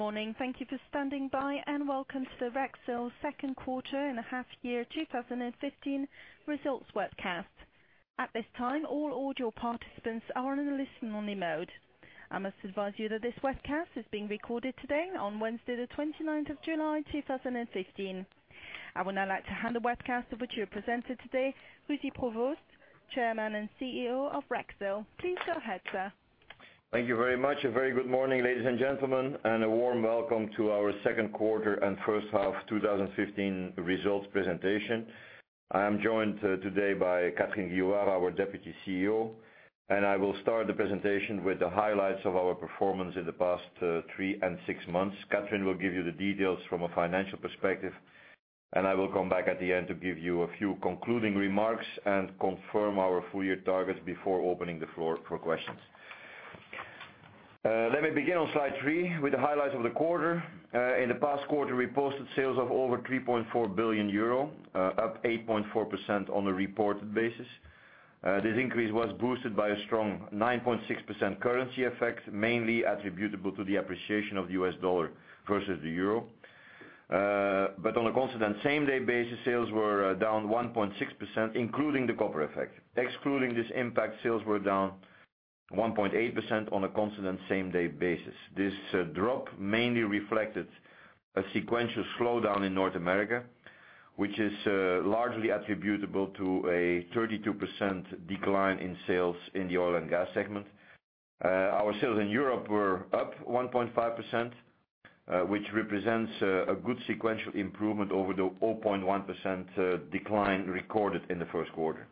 Morning. Thank you for standing by, and welcome to the Rexel second quarter and a half year 2015 results webcast. At this time, all audio participants are in a listen-only mode. I must advise you that this webcast is being recorded today on Wednesday the 29th of July 2015. I would now like to hand the webcast over to your presenter today, Rudy Provoost, Chairman and CEO of Rexel. Please go ahead, sir. Thank you very much. A very good morning, ladies and gentlemen, and a warm welcome to our second quarter and first half 2015 results presentation. I am joined today by Catherine Guillouard, our Deputy CEO, and I will start the presentation with the highlights of our performance in the past three and six months. Catherine will give you the details from a financial perspective, and I will come back at the end to give you a few concluding remarks and confirm our full year targets before opening the floor for questions. Let me begin on slide three with the highlights of the quarter. In the past quarter, we posted sales of over 3.4 billion euro, up 8.4% on a reported basis. This increase was boosted by a strong 9.6% currency effect, mainly attributable to the appreciation of the US dollar versus the euro. On a constant same-day basis, sales were down 1.6%, including the copper effect. Excluding this impact, sales were down 1.8% on a constant same-day basis. This drop mainly reflected a sequential slowdown in North America, which is largely attributable to a 32% decline in sales in the oil and gas segment. Our sales in Europe were up 1.5%, which represents a good sequential improvement over the 0.1% decline recorded in the first quarter.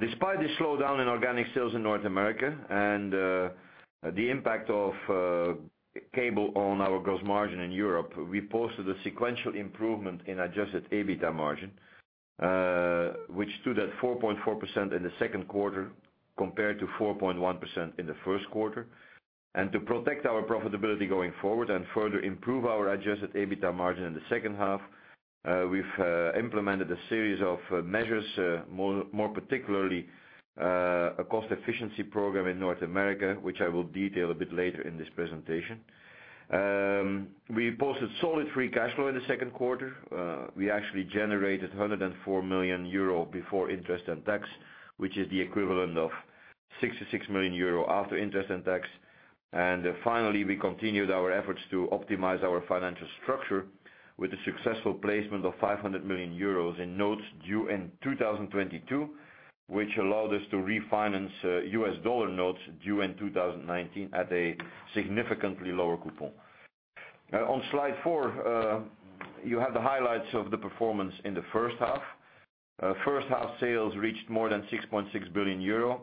Despite the slowdown in organic sales in North America and the impact of cable on our gross margin in Europe, we posted a sequential improvement in adjusted EBITDA margin, which stood at 4.4% in the second quarter compared to 4.1% in the first quarter. To protect our profitability going forward and further improve our adjusted EBITDA margin in the second half, we've implemented a series of measures, more particularly, a cost efficiency program in North America, which I will detail a bit later in this presentation. We posted solid free cash flow in the second quarter. We actually generated 104 million euro before interest and tax, which is the equivalent of 66 million euro after interest and tax. Finally, we continued our efforts to optimize our financial structure with the successful placement of 500 million euros in notes due in 2022, which allowed us to refinance US dollar notes due in 2019 at a significantly lower coupon. On slide four, you have the highlights of the performance in the first half. First-half sales reached more than 6.6 billion euro,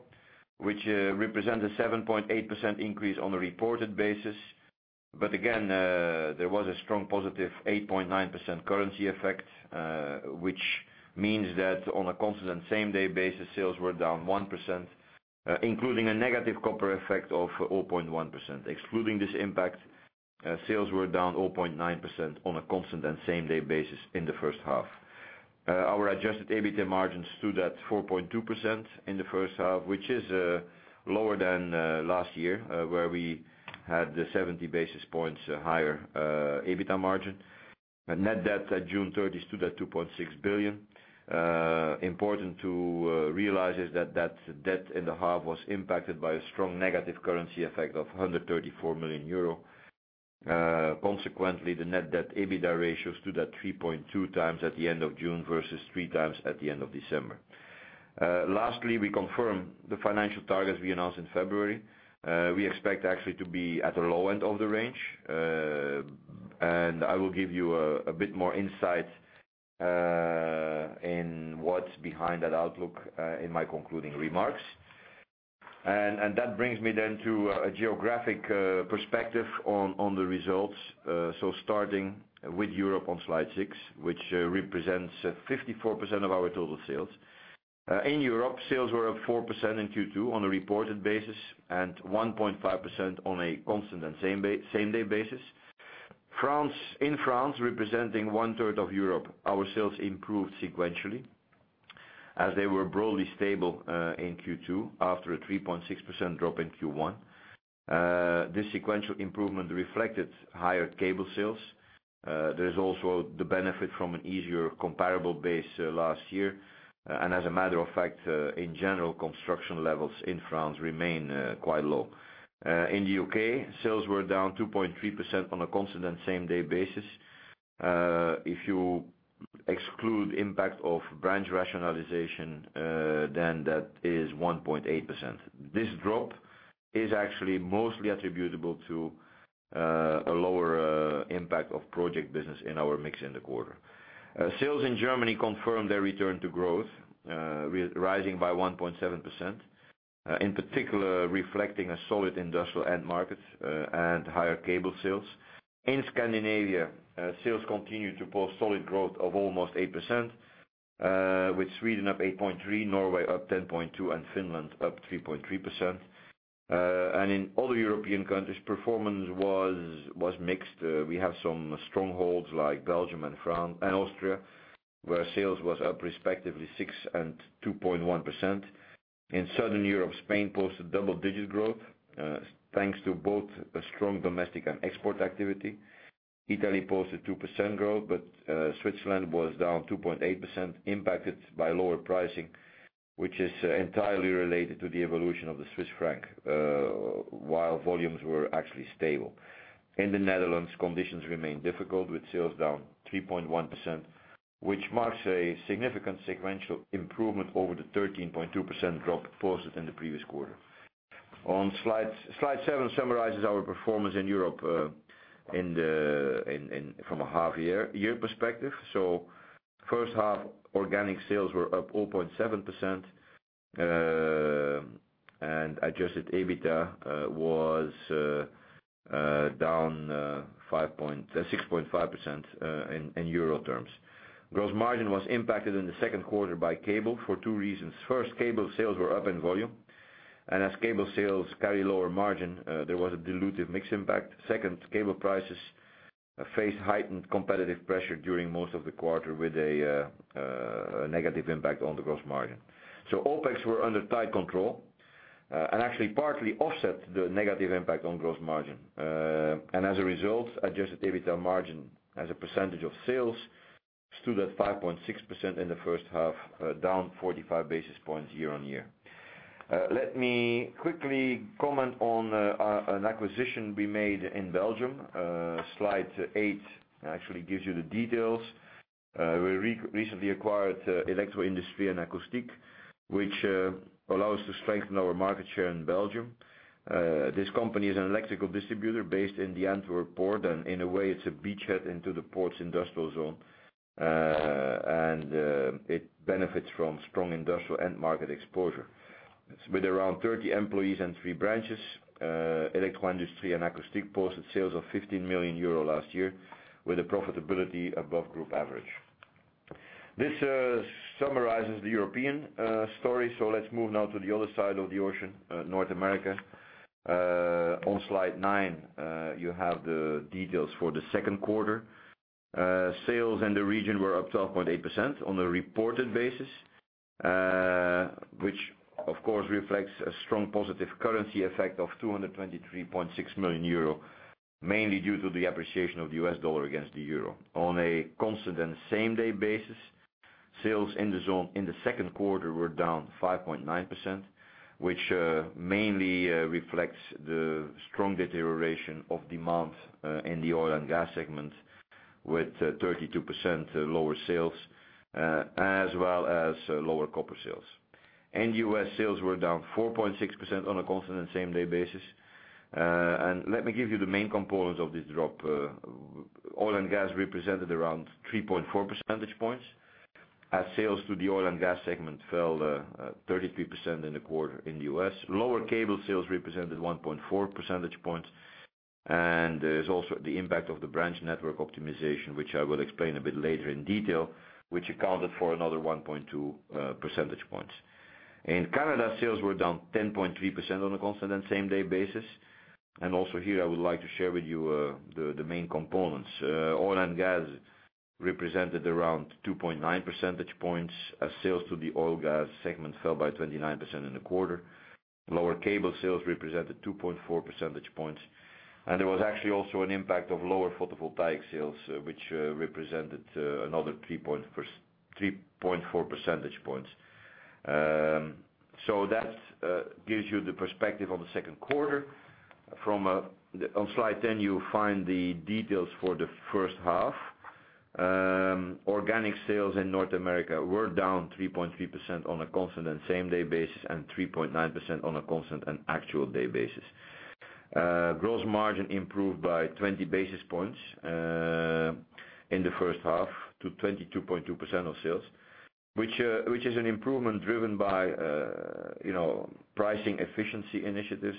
which represents a 7.8% increase on a reported basis. Again, there was a strong positive 8.9% currency effect, which means that on a constant same-day basis, sales were down 1%, including a negative copper effect of 0.1%. Excluding this impact, sales were down 0.9% on a constant and same-day basis in the first half. Our adjusted EBITDA margins stood at 4.2% in the first half, which is lower than last year, where we had the 70 basis points higher EBITDA margin. Net debt at June 30 stood at 2.6 billion. Important to realize is that that debt in the half was impacted by a strong negative currency effect of 134 million euro. Consequently, the net debt EBITDA ratio stood at 3.2 times at the end of June versus three times at the end of December. Lastly, we confirm the financial targets we announced in February. We expect actually to be at the low end of the range. I will give you a bit more insight in what's behind that outlook in my concluding remarks. That brings me then to a geographic perspective on the results. Starting with Europe on slide six, which represents 54% of our total sales. In Europe, sales were up 4% in Q2 on a reported basis and 1.5% on a constant and same-day basis. In France, representing one-third of Europe, our sales improved sequentially as they were broadly stable in Q2 after a 3.6% drop in Q1. This sequential improvement reflected higher cable sales. There is also the benefit from an easier comparable base last year. As a matter of fact, in general, construction levels in France remain quite low. In the U.K., sales were down 2.3% on a constant and same-day basis. If you exclude impact of branch rationalization, then that is 1.8%. This drop is actually mostly attributable to a lower impact of project business in our mix in the quarter. Sales in Germany confirmed their return to growth, rising by 1.7%, in particular reflecting a solid industrial end market and higher cable sales. In Scandinavia, sales continued to post solid growth of almost 8%, with Sweden up 8.3%, Norway up 10.2%, and Finland up 3.3%. In other European countries, performance was mixed. We have some strongholds like Belgium and Austria, where sales was up respectively 6% and 2.1%. In Southern Europe, Spain posted double-digit growth thanks to both a strong domestic and export activity. Italy posted 2% growth, but Switzerland was down 2.8%, impacted by lower pricing, which is entirely related to the evolution of the Swiss franc, while volumes were actually stable. In the Netherlands, conditions remain difficult, with sales down 3.1%, which marks a significant sequential improvement over the 13.2% drop posted in the previous quarter. Slide seven summarizes our performance in Europe from a half-year perspective. First half organic sales were up 0.7%, and adjusted EBITDA was down 6.5% in EUR terms. Gross margin was impacted in the second quarter by cable for two reasons. First, cable sales were up in volume, and as cable sales carry a lower margin, there was a dilutive mix impact. Second, cable prices faced heightened competitive pressure during most of the quarter with a negative impact on the gross margin. OpEx were under tight control and actually partly offset the negative impact on gross margin. As a result, adjusted EBITDA margin as a percentage of sales stood at 5.6% in the first half, down 45 basis points year-over-year. Let me quickly comment on an acquisition we made in Belgium. Slide eight actually gives you the details. We recently acquired Electro-Industrie en Acoustiek, which allows us to strengthen our market share in Belgium. This company is an electrical distributor based in the Antwerp port, and in a way, it's a beachhead into the port's industrial zone. It benefits from strong industrial end market exposure. With around 30 employees and three branches, Electro-Industrie en Acoustiek posted sales of 15 million euro last year with a profitability above group average. This summarizes the European story, let's move now to the other side of the ocean, North America. On slide nine, you have the details for the second quarter. Sales in the region were up 12.8% on a reported basis, which of course reflects a strong positive currency effect of 223.6 million euro, mainly due to the appreciation of the US dollar against the euro. On a constant and same-day basis, sales in the zone in the second quarter were down 5.9%, which mainly reflects the strong deterioration of demand in the oil and gas segment, with 32% lower sales as well as lower copper sales. In the U.S., sales were down 4.6% on a constant and same-day basis. Let me give you the main components of this drop. Oil and gas represented around 3.4 percentage points, as sales to the oil and gas segment fell 33% in the quarter in the U.S. Lower cable sales represented 1.4 percentage points. There's also the impact of the branch network optimization, which I will explain a bit later in detail, which accounted for another 1.2 percentage points. In Canada, sales were down 10.3% on a constant and same-day basis. Also here, I would like to share with you the main components. Oil and gas represented around 2.9 percentage points as sales to the oil and gas segment fell by 29% in the quarter. Lower cable sales represented 2.4 percentage points, and there was actually also an impact of lower photovoltaic sales, which represented another 3.4 percentage points. That gives you the perspective on the second quarter. On slide 10, you find the details for the first half. Organic sales in North America were down 3.3% on a constant and same-day basis and 3.9% on a constant and actual day basis. Gross margin improved by 20 basis points in the first half to 22.2% of sales, which is an improvement driven by pricing efficiency initiatives,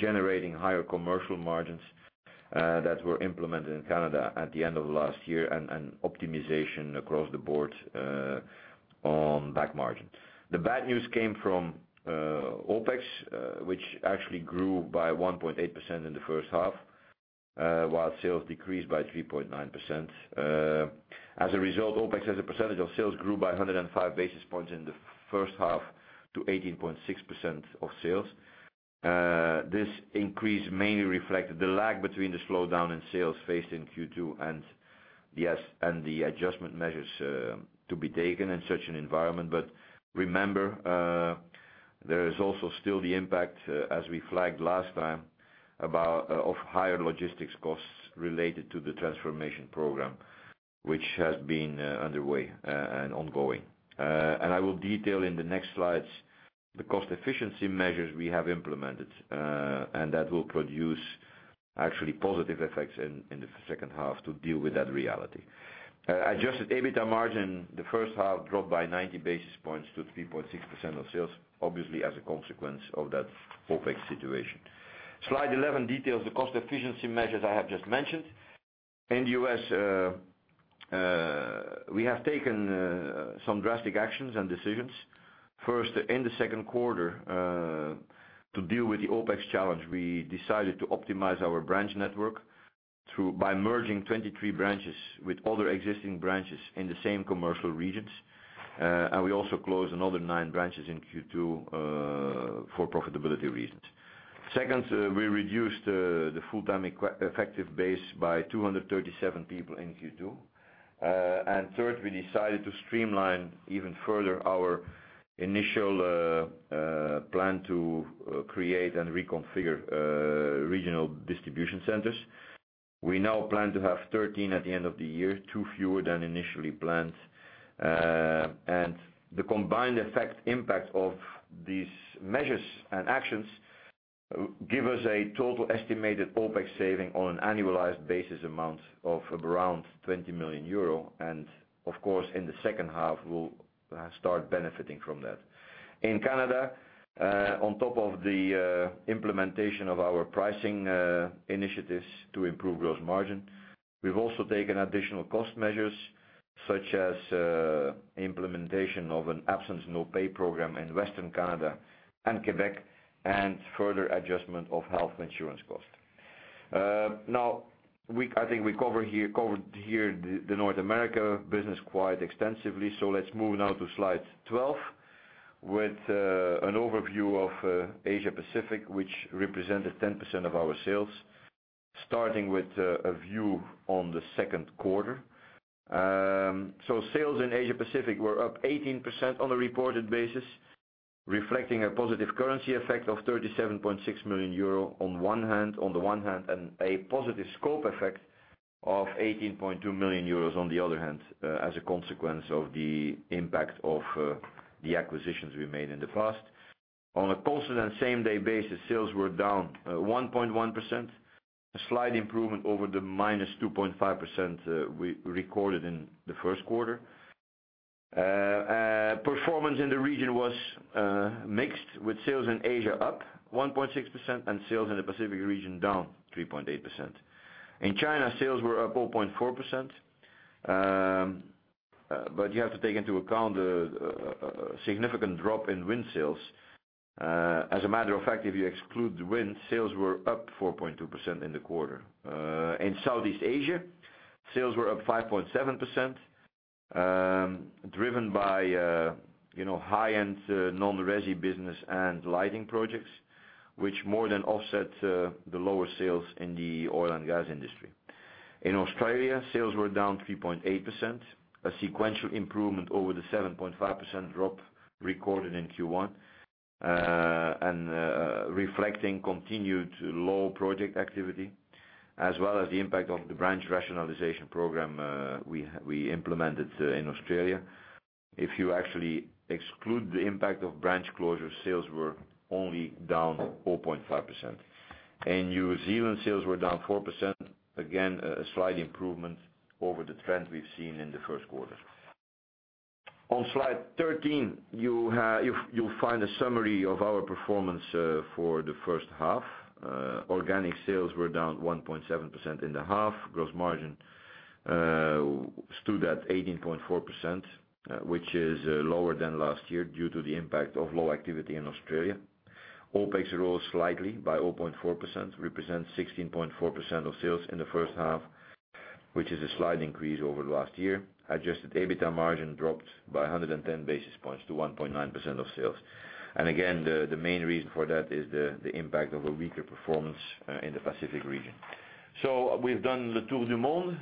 generating higher commercial margins that were implemented in Canada at the end of last year, and optimization across the board on back margin. The bad news came from OpEx, which actually grew by 1.8% in the first half, while sales decreased by 3.9%. As a result, OpEx as a percentage of sales grew by 105 basis points in the first half to 18.6% of sales. This increase mainly reflected the lag between the slowdown in sales faced in Q2 and the adjustment measures to be taken in such an environment. Remember, there is also still the impact, as we flagged last time, of higher logistics costs related to the transformation program, which has been underway and ongoing. I will detail in the next slides the cost efficiency measures we have implemented. That will produce actually positive effects in the second half to deal with that reality. Adjusted EBITDA margin, the first half dropped by 90 basis points to 3.6% of sales, obviously as a consequence of that OpEx situation. Slide 11 details the cost efficiency measures I have just mentioned. In the U.S., we have taken some drastic actions and decisions. First, in the second quarter, to deal with the OpEx challenge, we decided to optimize our branch network. By merging 23 branches with other existing branches in the same commercial regions, we also closed another nine branches in Q2 for profitability reasons. Second, we reduced the full-time effective base by 237 people in Q2. Third, we decided to streamline even further our initial plan to create and reconfigure regional distribution centers. We now plan to have 13 at the end of the year, two fewer than initially planned. The combined effect impact of these measures and actions give us a total estimated OpEx saving on an annualized basis amount of around 20 million euro. Of course, in the second half, we'll start benefiting from that. In Canada, on top of the implementation of our pricing initiatives to improve gross margin, we've also taken additional cost measures, such as implementation of an absence no pay program in Western Canada and Quebec, and further adjustment of health insurance cost. I think we covered here the North America business quite extensively. Let's move now to Slide 12 with an overview of Asia Pacific, which represented 10% of our sales, starting with a view on the second quarter. Sales in Asia Pacific were up 18% on a reported basis, reflecting a positive currency effect of 37.6 million euro on the one hand, and a positive scope effect of 18.2 million euros on the other hand, as a consequence of the impact of the acquisitions we made in the past. On a constant same day basis, sales were down 1.1%, a slight improvement over the -2.5% we recorded in the first quarter. Performance in the region was mixed, with sales in Asia up 1.6% and sales in the Pacific region down 3.8%. In China, sales were up 4.4%. You have to take into account a significant drop in wind sales. As a matter of fact, if you exclude the wind, sales were up 4.2% in the quarter. In Southeast Asia, sales were up 5.7%, driven by high-end non-resi business and lighting projects, which more than offset the lower sales in the oil and gas industry. In Australia, sales were down 3.8%, a sequential improvement over the 7.5% drop recorded in Q1, and reflecting continued low project activity, as well as the impact of the branch rationalization program we implemented in Australia. If you actually exclude the impact of branch closures, sales were only down 4.5%. In New Zealand, sales were down 4%, again, a slight improvement over the trend we've seen in the first quarter. On Slide 13, you'll find a summary of our performance for the first half. Organic sales were down 1.7% in the half. Gross margin stood at 18.4%, which is lower than last year due to the impact of low activity in Australia. OpEx rose slightly by 0.4%, represents 16.4% of sales in the first half, which is a slight increase over last year. Adjusted EBITDA margin dropped by 110 basis points to 1.9% of sales. Again, the main reason for that is the impact of a weaker performance in the Pacific region. We've done the tour du monde,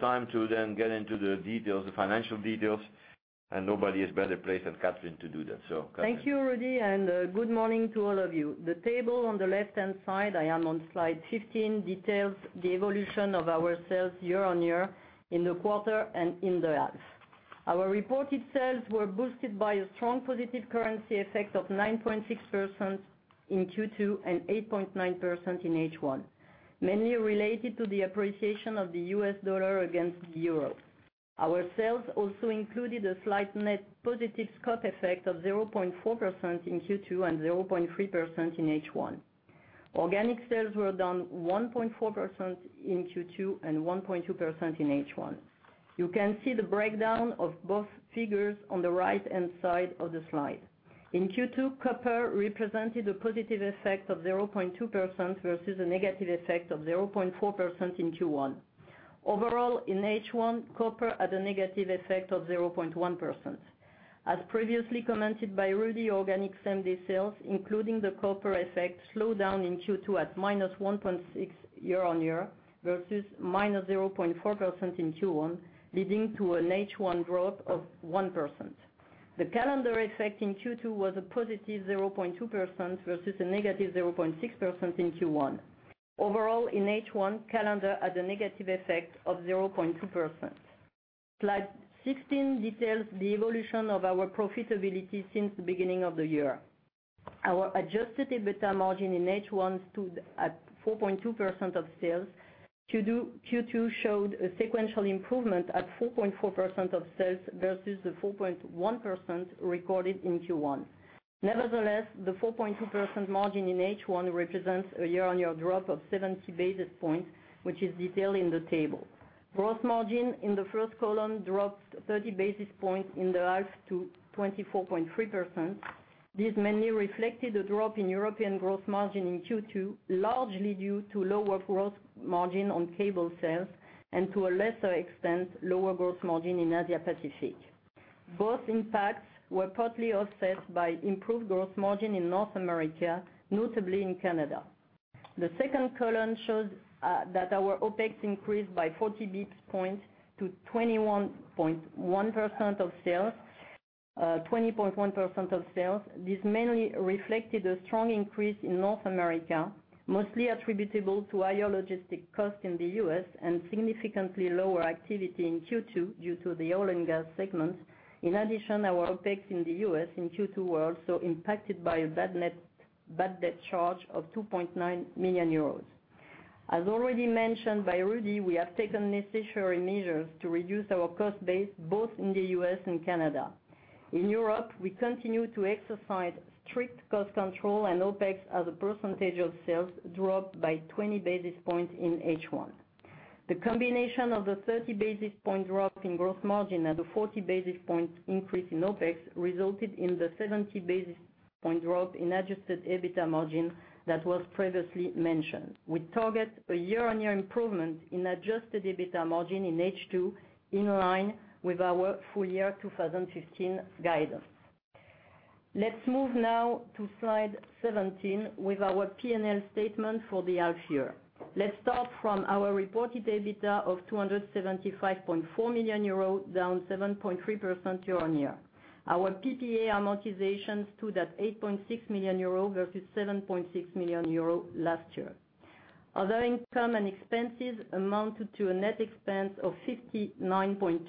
time to then get into the financial details, and nobody is better placed than Catherine to do that. Catherine. Thank you, Rudy, good morning to all of you. The table on the left-hand side, I am on slide 15, details the evolution of our sales year-on-year in the quarter and in the half. Our reported sales were boosted by a strong positive currency effect of 9.6% in Q2 and 8.9% in H1, mainly related to the appreciation of the U.S. dollar against the euro. Our sales also included a slight net positive scope effect of 0.4% in Q2 and 0.3% in H1. Organic sales were down 1.4% in Q2 and 1.2% in H1. You can see the breakdown of both figures on the right-hand side of the slide. In Q2, copper represented a positive effect of 0.2% versus a negative effect of 0.4% in Q1. Overall, in H1, copper had a negative effect of 0.1%. As previously commented by Rudy, organic same day sales, including the copper effect, slowed down in Q2 at -1.6% year-on-year versus -0.4% in Q1, leading to an H1 drop of 1%. The calendar effect in Q2 was a positive 0.2% versus a negative 0.6% in Q1. Overall, in H1, calendar had a negative effect of 0.2%. Slide 16 details the evolution of our profitability since the beginning of the year. Our adjusted EBITDA margin in H1 stood at 4.2% of sales. Q2 showed a sequential improvement at 4.4% of sales versus the 4.1% recorded in Q1. Nevertheless, the 4.2% margin in H1 represents a year-on-year drop of 70 basis points, which is detailed in the table. Gross margin in the first column dropped 30 basis points in the half to 24.3%. This mainly reflected a drop in European growth margin in Q2, largely due to lower growth margin on cable sales and, to a lesser extent, lower growth margin in Asia Pacific. Both impacts were partly offset by improved growth margin in North America, notably in Canada. The second column shows that our OpEx increased by 40 basis points to 20.1% of sales. This mainly reflected a strong increase in North America, mostly attributable to higher logistic costs in the U.S. and significantly lower activity in Q2 due to the oil and gas segment. In addition, our OpEx in the U.S. in Q2 was also impacted by a bad debt charge of 2.9 million euros. As already mentioned by Rudy, we have taken necessary measures to reduce our cost base both in the U.S. and Canada. In Europe, we continue to exercise strict cost control. OpEx as a percentage of sales dropped by 20 basis points in H1. The combination of the 30 basis point drop in gross margin and the 40 basis point increase in OpEx resulted in the 70 basis point drop in adjusted EBITDA margin that was previously mentioned. We target a year-on-year improvement in adjusted EBITDA margin in H2, in line with our full year 2015 guidance. Let's move now to slide 17 with our P&L statement for the half year. Let's start from our reported EBITDA of 275.4 million euro, down 7.3% year-on-year. Our PPA amortizations stood at 8.6 million euro versus 7.6 million euro last year. Other income and expenses amounted to a net expense of 59.2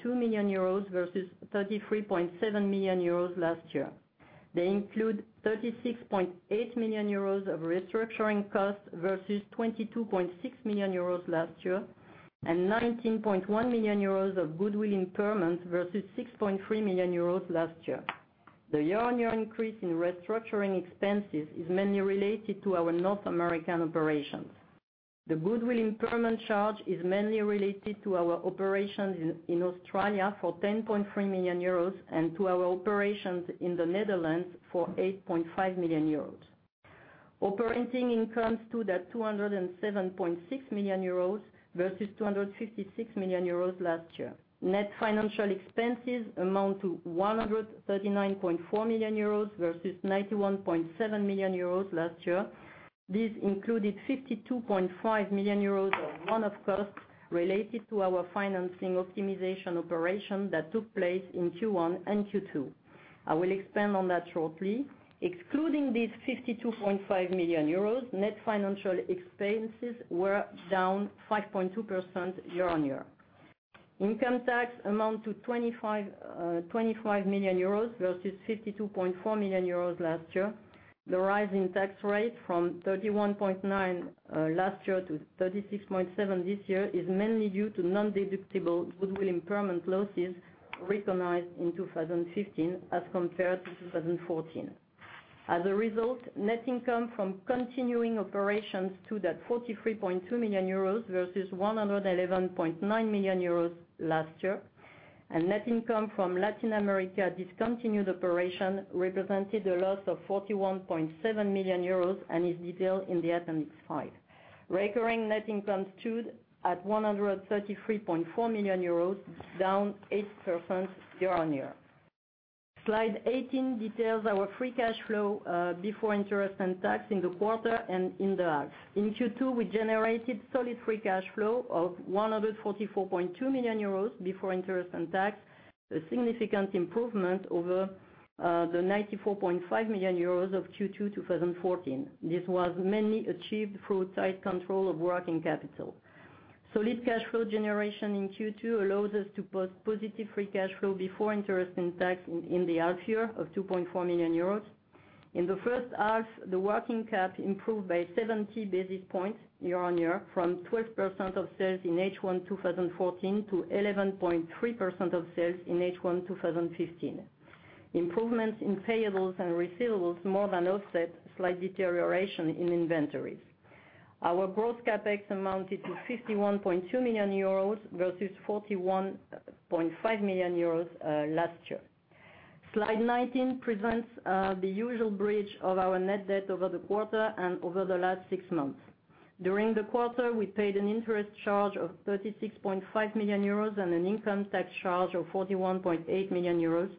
million euros versus 33.7 million euros last year. They include 36.8 million euros of restructuring costs versus 22.6 million euros last year. 19.1 million euros of goodwill impairment versus 6.3 million euros last year. The year-on-year increase in restructuring expenses is mainly related to our North American operations. The goodwill impairment charge is mainly related to our operations in Australia for 10.3 million euros and to our operations in the Netherlands for 8.5 million euros. Operating income stood at 207.6 million euros versus 256 million euros last year. Net financial expenses amount to 139.4 million euros versus 91.7 million euros last year. This included 52.5 million euros of one-off costs related to our financing optimization operation that took place in Q1 and Q2. I will expand on that shortly. Excluding these 52.5 million euros, net financial expenses were down 5.2% year-on-year. Income tax amount to 25 million euros, versus 52.4 million euros last year. The rise in tax rate from 31.9% last year to 36.7% this year is mainly due to non-deductible goodwill impairment losses recognized in 2015 as compared to 2014. As a result, net income from continuing operations stood at 43.2 million euros versus 111.9 million euros last year. Net income from Latin America discontinued operation represented a loss of 41.7 million euros and is detailed in the appendix five. Recurring net income stood at 133.4 million euros, down 8% year-on-year. Slide 18 details our free cash flow before interest and tax in the quarter and in the half. In Q2, we generated solid free cash flow of 144.2 million euros before interest and tax, a significant improvement over the 94.5 million euros of Q2 2014. This was mainly achieved through tight control of working capital. Solid cash flow generation in Q2 allows us to post positive free cash flow before interest and tax in the half year of 2.4 million euros. In the first half, the working cap improved by 70 basis points year-on-year from 12% of sales in H1 2014 to 11.3% of sales in H1 2015. Improvements in payables and receivables more than offset slight deterioration in inventories. Our gross CapEx amounted to 51.2 million euros, versus 41.5 million euros last year. Slide 19 presents the usual bridge of our net debt over the quarter and over the last six months. During the quarter, we paid an interest charge of 36.5 million euros and an income tax charge of 41.8 million euros.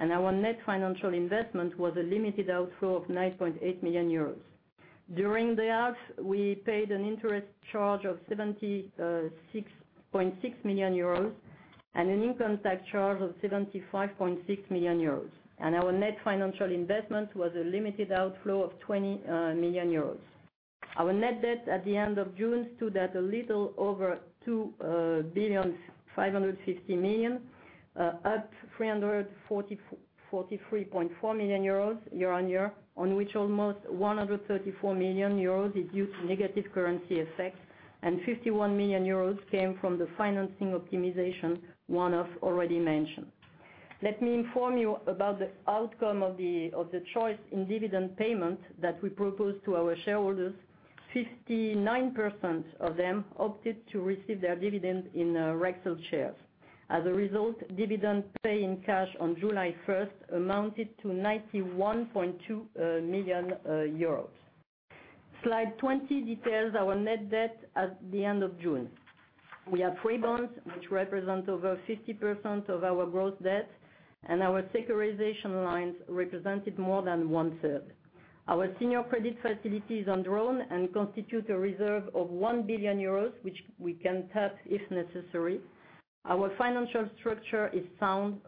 Our net financial investment was a limited outflow of 9.8 million euros. During the half, we paid an interest charge of 76.6 million euros and an income tax charge of 75.6 million euros, our net financial investment was a limited outflow of 20 million euros. Our net debt at the end of June stood at a little over 2,550 million, up 343.4 million euros year-on-year. Almost 134 million euros is due to negative currency effects, and 51 million euros came from the financing optimization one-off already mentioned. Let me inform you about the outcome of the choice in dividend payment that we proposed to our shareholders. 59% of them opted to receive their dividend in Rexel shares. As a result, dividend pay in cash on July 1st amounted to 91.2 million euros. Slide 20 details our net debt at the end of June. We have three bonds, which represent over 50% of our gross debt, and our securitization lines represented more than one-third. Our senior credit facility is undrawn and constitutes a reserve of 1 billion euros, which we can tap if necessary. Our financial structure is sound,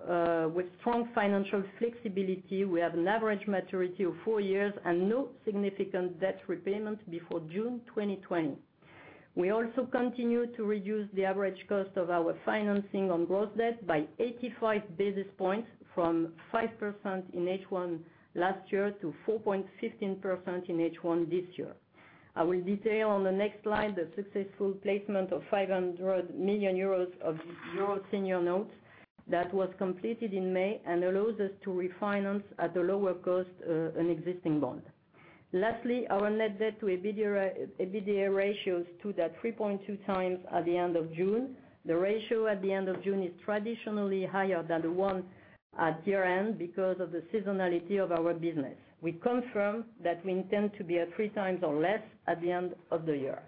with strong financial flexibility. We have an average maturity of four years and no significant debt repayment before June 2020. We also continue to reduce the average cost of our financing on gross debt by 85 basis points from 5% in H1 last year to 4.15% in H1 this year. I will detail on the next slide the successful placement of 500 million euros of these euro senior notes that was completed in May and allows us to refinance at a lower cost, an existing bond. Lastly, our net debt to EBITDA ratio stood at 3.2 times at the end of June. The ratio at the end of June is traditionally higher than the one at year-end because of the seasonality of our business. We confirm that we intend to be at three times or less at the end of the year.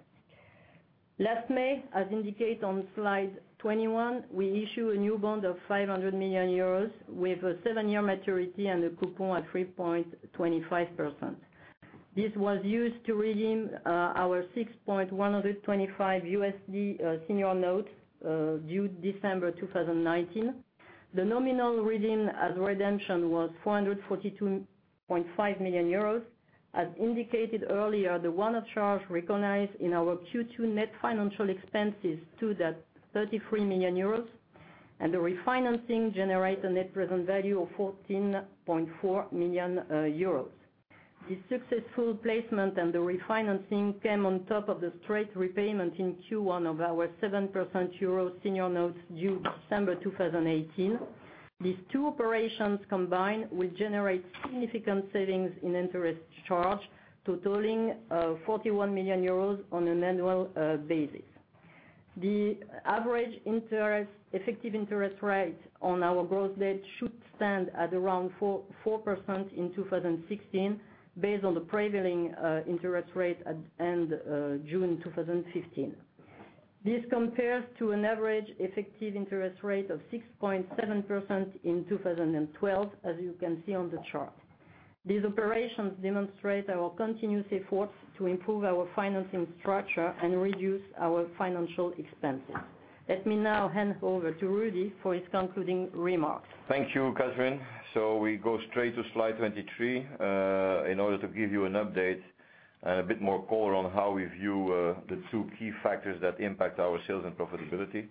Last May, as indicated on slide 21, we issue a new bond of 500 million euros with a seven-year maturity and a coupon at 3.25%. This was used to redeem our 6.125 USD senior note due December 2019. The nominal redeem at redemption was 442.5 million euros. As indicated earlier, the one-off charge recognized in our Q2 net financial expenses stood at 33 million euros, and the refinancing generated a net present value of 14.4 million euros. This successful placement and the refinancing came on top of the straight repayment in Q1 of our 7% euro senior notes due December 2018. These two operations combined will generate significant savings in interest charge totaling 41 million euros on an annual basis. The average effective interest rate on our gross debt should stand at around 4% in 2016, based on the prevailing interest rate at end June 2015. This compares to an average effective interest rate of 6.7% in 2012, as you can see on the chart. These operations demonstrate our continuous efforts to improve our financing structure and reduce our financial expenses. Let me now hand over to Rudy for his concluding remarks. Thank you, Catherine. We go straight to slide 23 in order to give you an update and a bit more color on how we view the two key factors that impact our sales and profitability.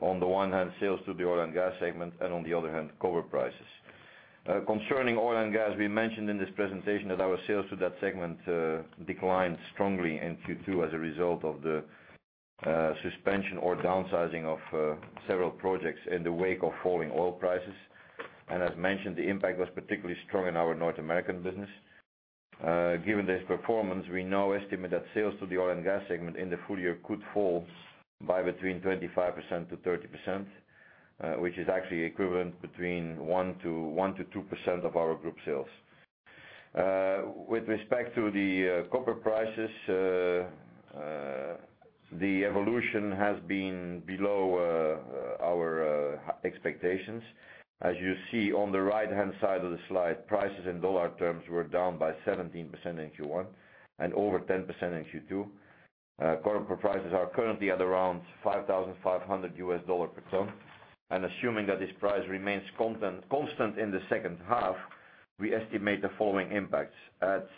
On the one hand, sales to the oil and gas segment and on the other hand, copper prices. Concerning oil and gas, we mentioned in this presentation that our sales to that segment declined strongly in Q2 as a result of the suspension or downsizing of several projects in the wake of falling oil prices. As mentioned, the impact was particularly strong in our North American business. Given this performance, we now estimate that sales to the oil and gas segment in the full year could fall by between 25%-30%, which is actually equivalent between 1%-2% of our group sales. With respect to the copper prices, the evolution has been below our expectations. As you see on the right-hand side of the slide, prices in dollar terms were down by 17% in Q1 and over 10% in Q2. Copper prices are currently at around $5,500 per ton, and assuming that this price remains constant in the second half, we estimate the following impacts. At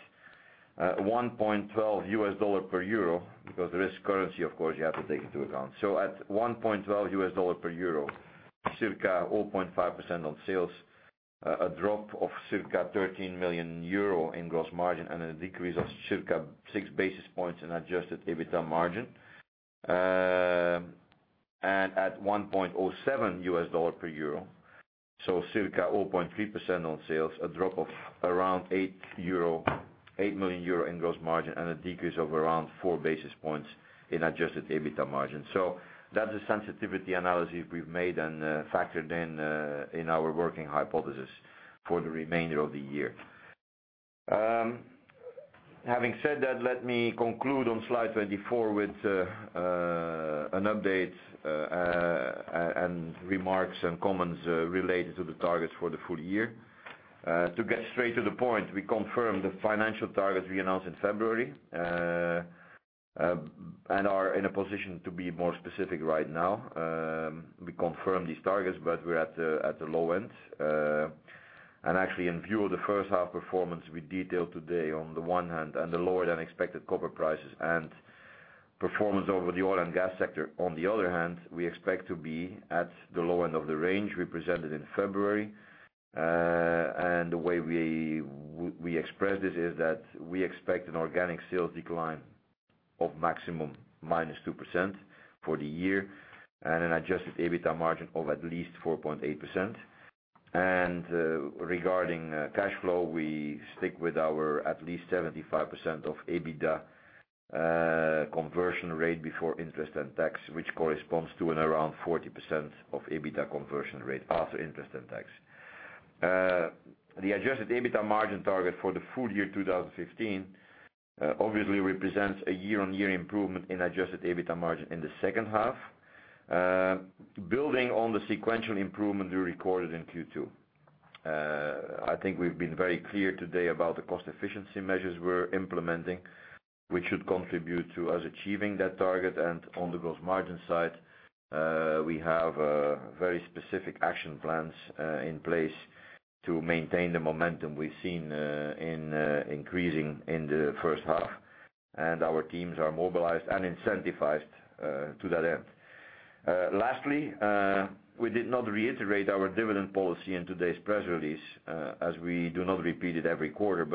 $1.12 per EUR, because there is currency, of course, you have to take into account. At $1.12 per EUR, circa 0.5% on sales, a drop of circa 13 million euro in gross margin, and a decrease of circa six basis points in adjusted EBITDA margin. At $1.07 per EUR, circa 0.3% on sales, a drop of around 8 million euro in gross margin and a decrease of around four basis points in adjusted EBITDA margin. That's the sensitivity analysis we've made and factored in in our working hypothesis for the remainder of the year. Having said that, let me conclude on slide 24 with an update and remarks and comments related to the targets for the full year. To get straight to the point, we confirm the financial targets we announced in February and are in a position to be more specific right now. We confirm these targets, but we're at the low end. Actually, in view of the first half performance we detailed today on the one hand, and the lower-than-expected copper prices and performance over the oil and gas sector on the other hand, we expect to be at the low end of the range we presented in February. The way we express this is that we expect an organic sales decline of maximum -2% for the year, and an adjusted EBITDA margin of at least 4.8%. Regarding cash flow, we stick with our at least 75% of EBITDA conversion rate before interest and tax, which corresponds to around 40% of EBITDA conversion rate after interest and tax. The adjusted EBITDA margin target for the full year 2015 obviously represents a year-on-year improvement in adjusted EBITDA margin in the second half, building on the sequential improvement we recorded in Q2. I think we've been very clear today about the cost efficiency measures we're implementing, which should contribute to us achieving that target. On the gross margin side, we have very specific action plans in place to maintain the momentum we've seen increasing in the first half. Our teams are mobilized and incentivized to that end. Lastly, we did not reiterate our dividend policy in today's press release, as we do not repeat it every quarter.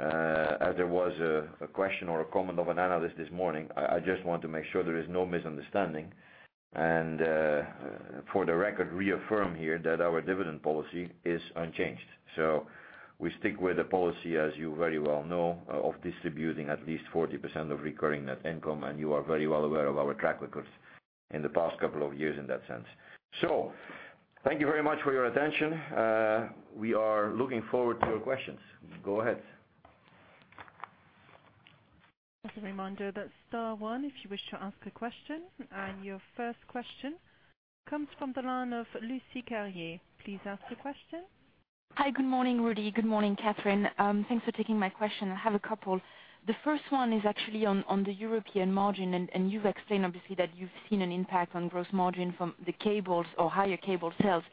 As there was a question or a comment of an analyst this morning, I just want to make sure there is no misunderstanding, and for the record, reaffirm here that our dividend policy is unchanged. We stick with the policy, as you very well know, of distributing at least 40% of recurring net income, and you are very well aware of our track record in the past couple of years in that sense. Thank you very much for your attention. We are looking forward to your questions. Go ahead. As a reminder, that's star one if you wish to ask a question, your first question comes from the line of Lucie Carrier. Please ask the question. Hi. Good morning, Rudy. Good morning, Catherine. Thanks for taking my question. I have a couple. The first one is actually on the European margin, you've explained, obviously, that you've seen an impact on gross margin from the cables or higher cable sales.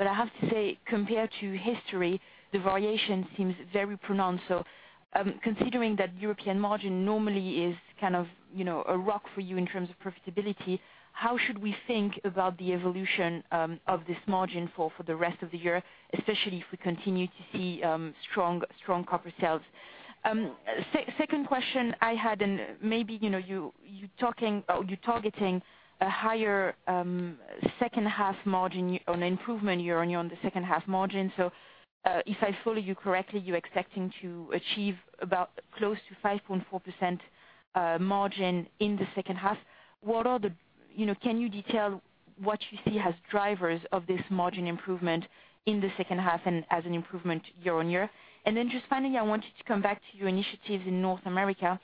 I have to say, compared to history, the variation seems very pronounced. Considering that European margin normally is kind of a rock for you in terms of profitability, how should we think about the evolution of this margin for the rest of the year, especially if we continue to see strong copper sales? Second question I had, maybe you're targeting a higher second half margin on improvement year-on-year on the second half margin. If I follow you correctly, you're expecting to achieve about close to 5.4% margin in the second half. Can you detail what you see as drivers of this margin improvement in the second half and as an improvement year-on-year? Just finally, I wanted to come back to your initiatives in North America.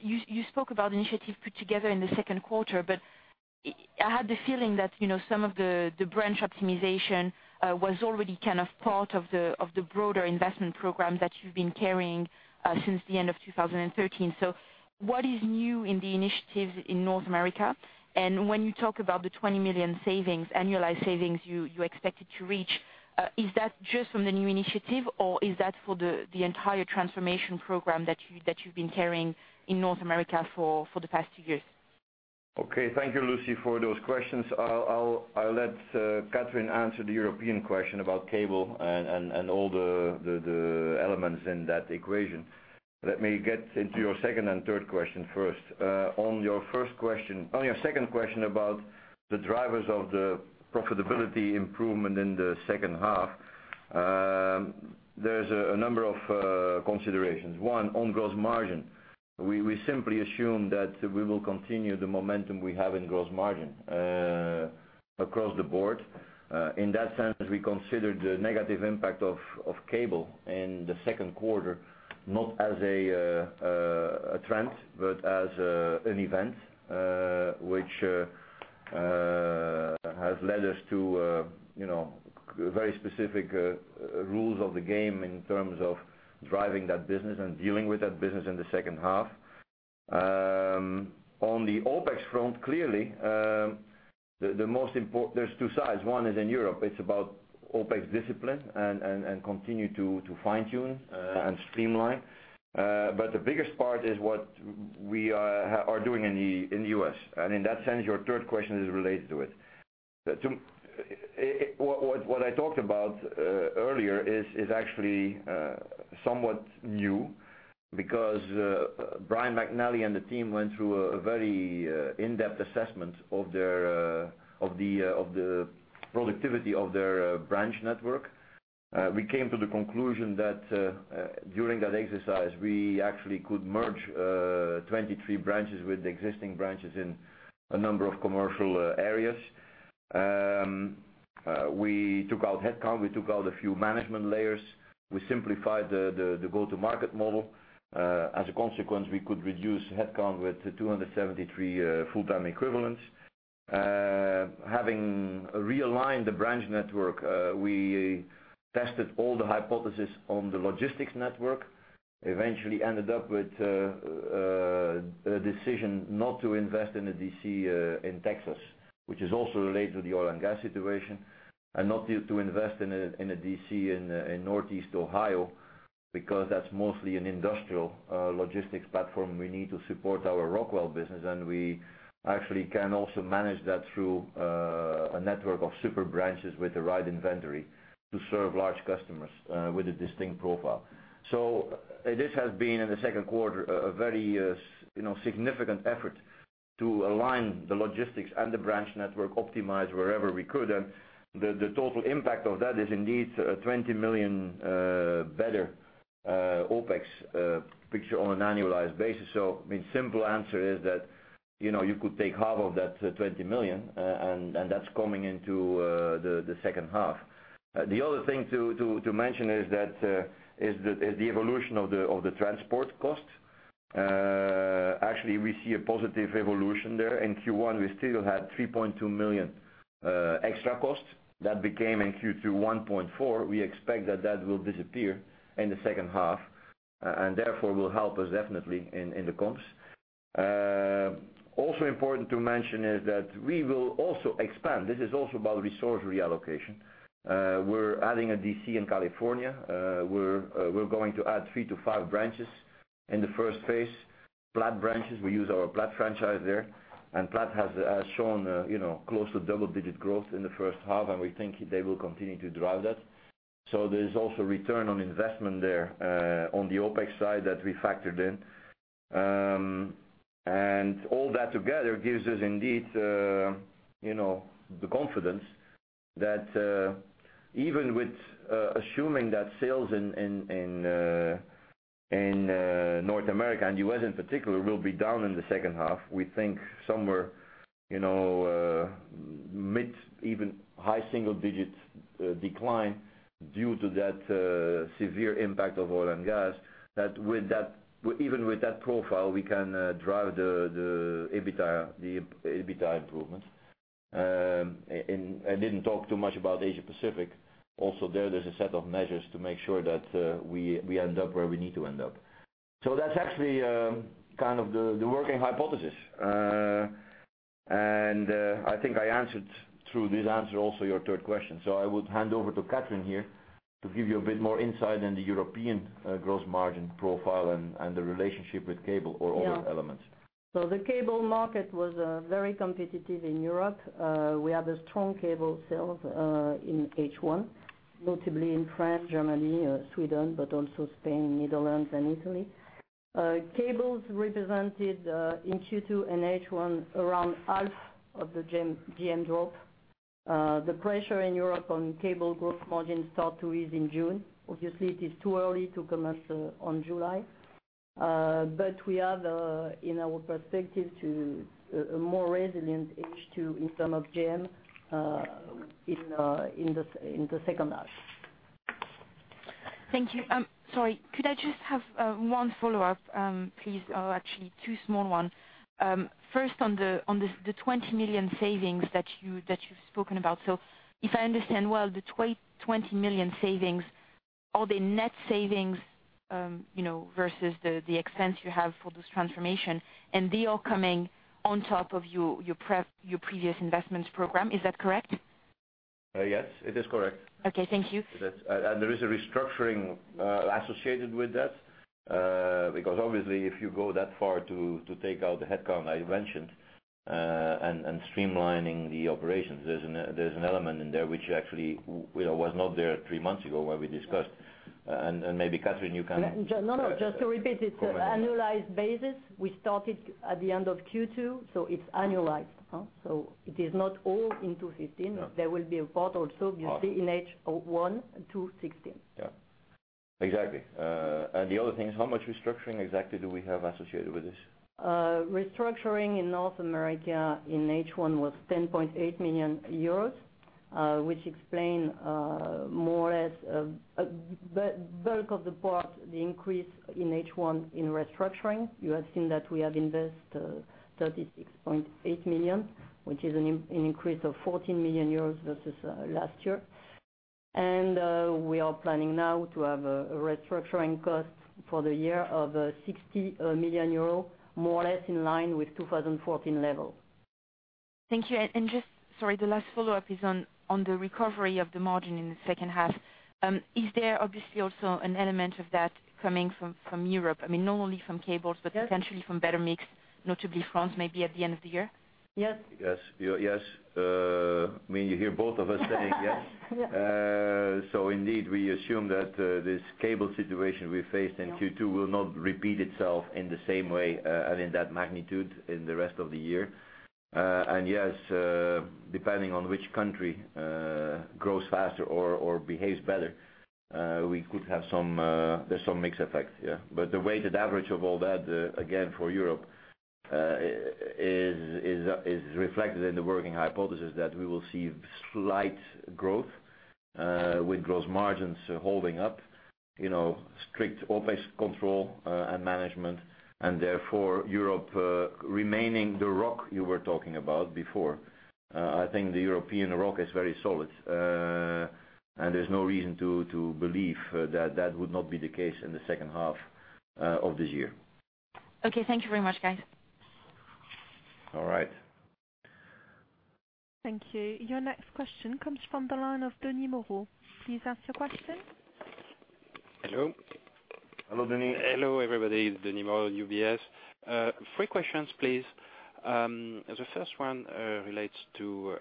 You spoke about initiatives put together in the second quarter, I had the feeling that some of the branch optimization was already kind of part of the broader investment program that you've been carrying since the end of 2013. What is new in the initiatives in North America? When you talk about the 20 million savings, annualized savings you expected to reach, is that just from the new initiative or is that for the entire transformation program that you've been carrying in North America for the past two years? Okay. Thank you, Lucie, for those questions. I will let Catherine answer the European question about cable and all the elements in that equation. Let me get into your second and third question first. On your second question about the drivers of the profitability improvement in the second half, there is a number of considerations. One, on gross margin. We simply assume that we will continue the momentum we have in gross margin across the board. In that sense, we consider the negative impact of cable in the second quarter not as a trend, but as an event, which has led us to very specific rules of the game in terms of driving that business and dealing with that business in the second half. On the OpEx front, clearly, there is two sides. One is in Europe. It is about OpEx discipline and continue to fine tune and streamline. The biggest part is what we are doing in the U.S. In that sense, your third question is related to it. What I talked about earlier is actually somewhat new because Brian McNally and the team went through a very in-depth assessment of the productivity of their branch network. We came to the conclusion that during that exercise, we actually could merge 23 branches with existing branches in a number of commercial areas. We took out headcount. We took out a few management layers. We simplified the go-to-market model. As a consequence, we could reduce headcount with 273 full-time equivalents. Having realigned the branch network, we tested all the hypothesis on the logistics network, eventually ended up with a decision not to invest in a DC in Texas, which is also related to the oil and gas situation, and not to invest in a DC in Northeast Ohio, because that is mostly an industrial logistics platform we need to support our Rockwell business, and we actually can also manage that through a network of super branches with the right inventory to serve large customers with a distinct profile. This has been, in the second quarter, a very significant effort. To align the logistics and the branch network optimize wherever we could. The total impact of that is indeed a 20 million better OpEx picture on an annualized basis. Simple answer is that, you could take half of that 20 million, and that is coming into the second half. The other thing to mention is the evolution of the transport cost. Actually, we see a positive evolution there. In Q1, we still had 3.2 million extra costs that became in Q2 1.4 million. We expect that will disappear in the second half, and therefore will help us definitely in the comps. Also important to mention is that we will also expand. This is also about resource reallocation. We are adding a DC in California. We are going to add 3 to 5 branches in the first phase. Platt branches, we use our Platt franchise there, and Platt has shown close to double-digit growth in the first half, and we think they will continue to drive that. There is also return on investment there, on the OpEx side that we factored in. All that together gives us indeed, the confidence that, even with assuming that sales in North America and U.S. in particular will be down in the second half, we think somewhere mid even high single-digit decline due to that severe impact of oil and gas. That even with that profile, we can drive the EBITDA improvements. I didn't talk too much about Asia Pacific. Also there's a set of measures to make sure that we end up where we need to end up. That's actually the working hypothesis. I think I answered through this answer also your third question. I would hand over to Catherine here to give you a bit more insight in the European gross margin profile and the relationship with cable or other elements. Yeah. The cable market was very competitive in Europe. We had strong cable sales in H1, notably in France, Germany, Sweden, but also Spain, Netherlands and Italy. Cables represented in Q2 and H1 around half of the GM drop. The pressure in Europe on cable gross margin start to ease in June. Obviously, it is too early to comment on July. We have, in our perspective, to a more resilient H2 in term of GM in the second half. Thank you. Sorry, could I just have one follow-up, please? Actually two small one. First on the 20 million savings that you've spoken about. If I understand well, the 20 million savings, are they net savings versus the expense you have for this transformation, and they are coming on top of your previous investments program. Is that correct? Yes, it is correct. Okay. Thank you. There is a restructuring associated with that, because obviously if you go that far to take out the headcount I mentioned, and streamlining the operations, there's an element in there which actually was not there three months ago when we discussed. Maybe Catherine, you can- No. Just to repeat, it's annualized basis. We started at the end of Q2, it's annualized. It is not all in 2015. No. There will be a part also, you see, in H1 2016. Yeah. Exactly. The other thing is how much restructuring exactly do we have associated with this? Restructuring in North America in H1 was 10.8 million euros, which explain more or less bulk of the part, the increase in H1 in restructuring. You have seen that we have invest 36.8 million, which is an increase of 14 million euros versus last year. We are planning now to have a restructuring cost for the year of 60 million euros, more or less in line with 2014 level. Thank you. Just, sorry, the last follow-up is on the recovery of the margin in the second half. Is there obviously also an element of that coming from Europe, I mean, not only from cables but potentially from better mix, notably France, maybe at the end of the year? Yes. Yes. You hear both of us saying yes. Yes. Indeed we assume that this cable situation we faced in Q2 will not repeat itself in the same way and in that magnitude in the rest of the year. Yes, depending on which country grows faster or behaves better, there's some mix effect, yeah. The weighted average of all that, again, for Europe, is reflected in the working hypothesis that we will see slight growth, with gross margins holding up. Strict OpEx control and management and therefore Europe remaining the rock you were talking about before. I think the European rock is very solid. There's no reason to believe that that would not be the case in the second half of this year. Thank you very much, guys. All right. Thank you. Your next question comes from the line of Denis Moreau. Please ask your question. Hello. Hello, Denis. Hello, everybody. It's Denis Moreau, UBS. Three questions, please. The first one relates to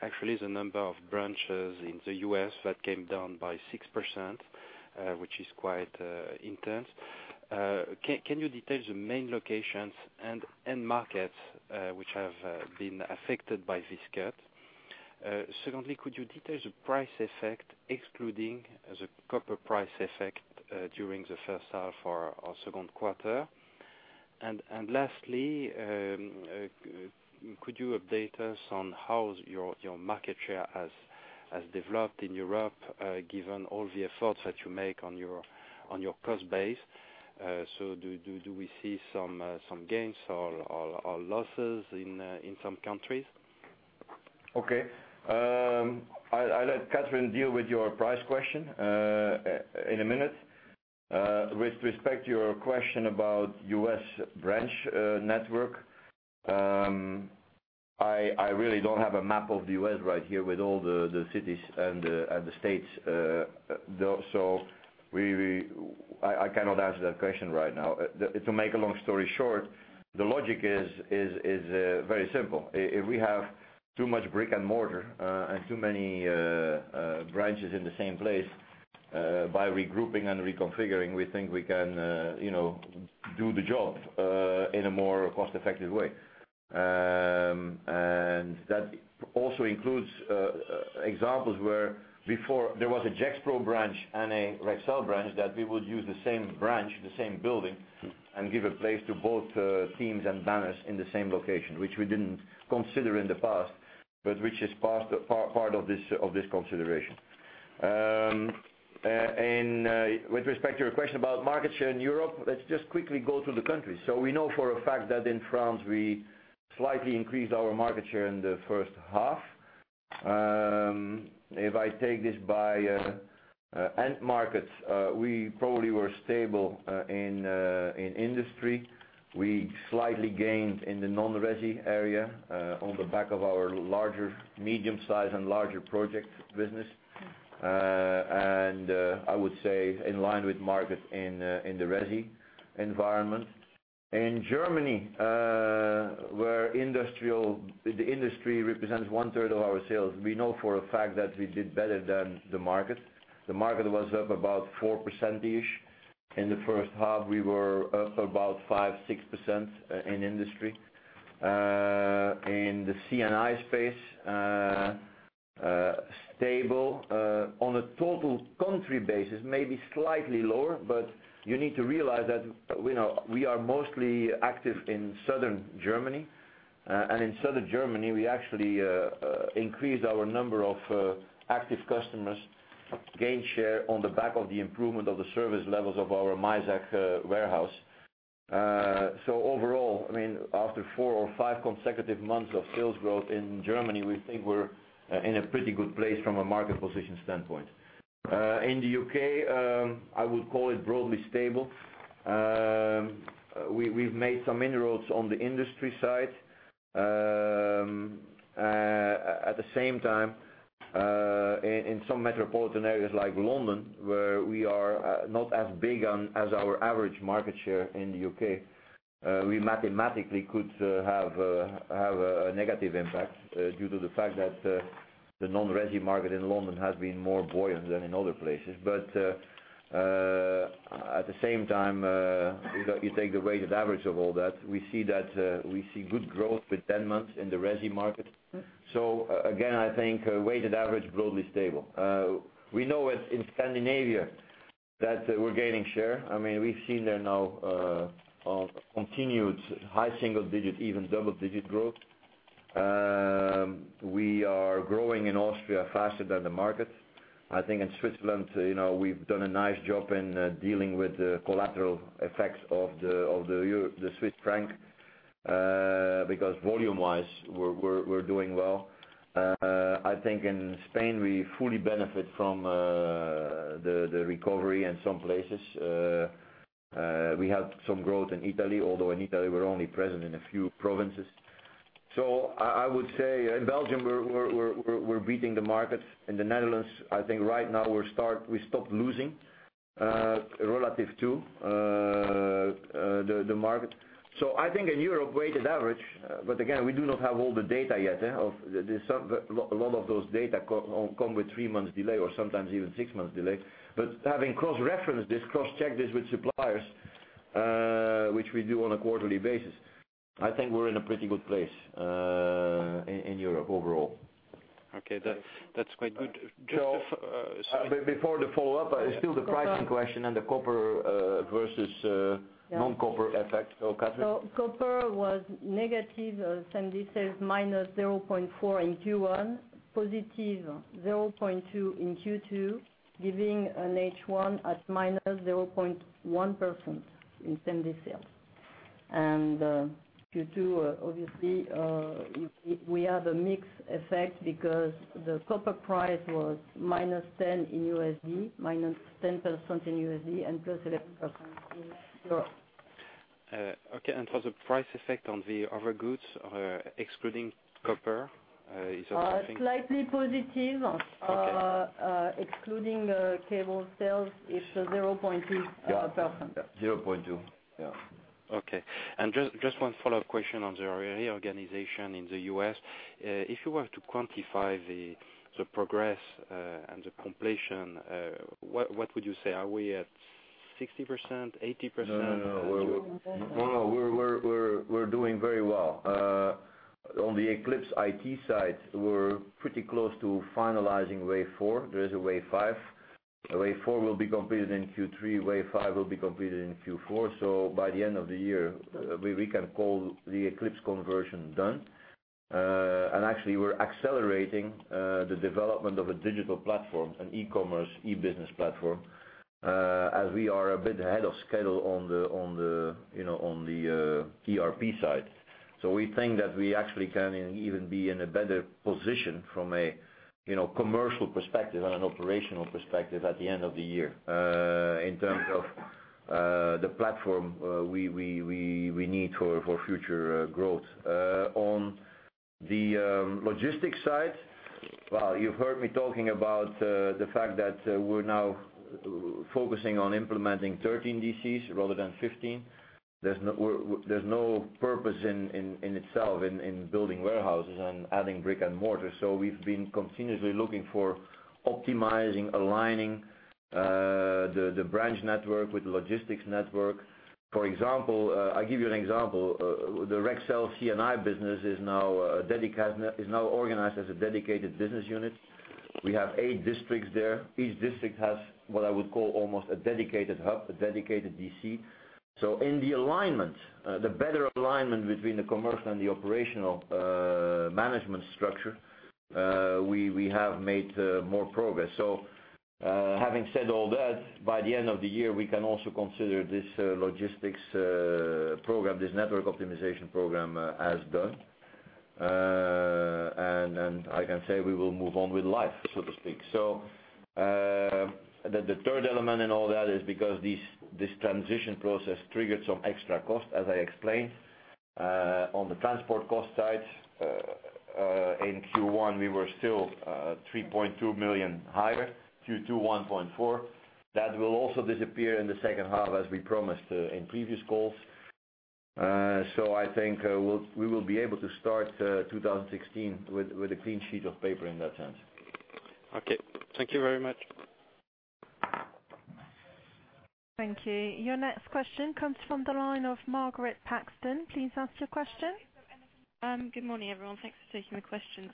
actually the number of branches in the U.S. that came down by 6%. Which is quite intense. Can you detail the main locations and end markets, which have been affected by this cut? Secondly, could you detail the price effect, excluding the copper price effect during the first half or second quarter? Lastly, could you update us on how your market share has developed in Europe, given all the efforts that you make on your cost base? Do we see some gains or losses in some countries? Okay. I'll let Catherine deal with your price question in a minute. With respect to your question about U.S. branch network, I really don't have a map of the U.S. right here with all the cities and the states, so I cannot answer that question right now. To make a long story short, the logic is very simple. If we have too much brick and mortar and too many branches in the same place, by regrouping and reconfiguring, we think we can do the job in a more cost-effective way. That also includes examples where before there was a Gexpro branch and a Rexel branch that we would use the same branch, the same building, and give a place to both teams and banners in the same location, which we didn't consider in the past, but which is part of this consideration. With respect to your question about market share in Europe, let's just quickly go through the countries. We know for a fact that in France, we slightly increased our market share in the first half. If I take this by end markets, we probably were stable in industry. We slightly gained in the non-resi area on the back of our medium-size and larger project business. I would say in line with market in the resi environment. In Germany, where the industry represents one-third of our sales, we know for a fact that we did better than the market. The market was up about 4%-ish. In the first half, we were up about 5%-6% in industry. In the C&I space, stable. On a total country basis, maybe slightly lower, but you need to realize that we are mostly active in Southern Germany. In Southern Germany, we actually increased our number of active customers, gained share on the back of the improvement of the service levels of our Maisach warehouse. Overall, after four or five consecutive months of sales growth in Germany, we think we're in a pretty good place from a market position standpoint. In the U.K., I would call it broadly stable. We've made some inroads on the industry side. At the same time, in some metropolitan areas like London, where we are not as big as our average market share in the U.K., we mathematically could have a negative impact due to the fact that the non-resi market in London has been more buoyant than in other places. At the same time, you take the weighted average of all that, we see good growth for 10 months in the resi market. Again, I think a weighted average, broadly stable. We know in Scandinavia that we're gaining share. We've seen there now a continued high single-digit, even double-digit growth. We are growing in Austria faster than the market. I think in Switzerland, we've done a nice job in dealing with the collateral effects of the Swiss franc, because volume wise, we're doing well. I think in Spain, we fully benefit from the recovery in some places. We had some growth in Italy, although in Italy, we're only present in a few provinces. I would say in Belgium, we're beating the market. In the Netherlands, I think right now we stopped losing relative to the market. I think in Europe, weighted average, but again, we do not have all the data yet. A lot of those data come with three months delay or sometimes even six months delay. Having cross-referenced this, cross-checked this with suppliers, which we do on a quarterly basis, I think we're in a pretty good place in Europe overall. Okay. That's quite good. Before the follow-up, still the pricing question and the copper versus non-copper effect. Catherine? Copper was negative, same day sales -0.4% in Q1, positive 0.2% in Q2, giving an H1 at -0.1% in same day sales. Q2, obviously, we have a mixed effect because the copper price was -10% in USD and +11% in EUR. Okay. For the price effect on the other goods, excluding copper, is that something? Slightly positive. Okay. Excluding cable sales, it's 0.2%. 0.2, yeah. Okay. Just one follow-up question on the reorganization in the U.S. If you were to quantify the progress and the completion, what would you say? Are we at 60%, 80%? No. We're doing very well. On the Eclipse IT side, we're pretty close to finalizing wave four. There is a wave five. Wave four will be completed in Q3, wave five will be completed in Q4. By the end of the year, we can call the Eclipse conversion done. Actually, we're accelerating the development of a digital platform, an e-commerce, e-business platform, as we are a bit ahead of schedule on the ERP side. We think that we actually can even be in a better position from a commercial perspective and an operational perspective at the end of the year, in terms of the platform we need for future growth. On the logistics side, well, you've heard me talking about the fact that we're now focusing on implementing 13 DCs rather than 15. There's no purpose in itself in building warehouses and adding brick and mortar. We've been continuously looking for optimizing, aligning the branch network with the logistics network. For example, I'll give you an example. The Rexel C&I business is now organized as a dedicated business unit. We have eight districts there. Each district has what I would call almost a dedicated hub, a dedicated DC. In the alignment, the better alignment between the commercial and the operational management structure, we have made more progress. Having said all that, by the end of the year, we can also consider this logistics program, this network optimization program, as done. I can say we will move on with life, so to speak. The third element in all that is because this transition process triggered some extra costs, as I explained. On the transport cost side, in Q1, we were still 3.2 million higher, Q2 1.4 million. That will also disappear in the second half, as we promised in previous calls. I think we will be able to start 2016 with a clean sheet of paper in that sense. Thank you very much. Thank you. Your next question comes from the line of Margaret Paxton. Please ask your question. Good morning, everyone. Thanks for taking the question.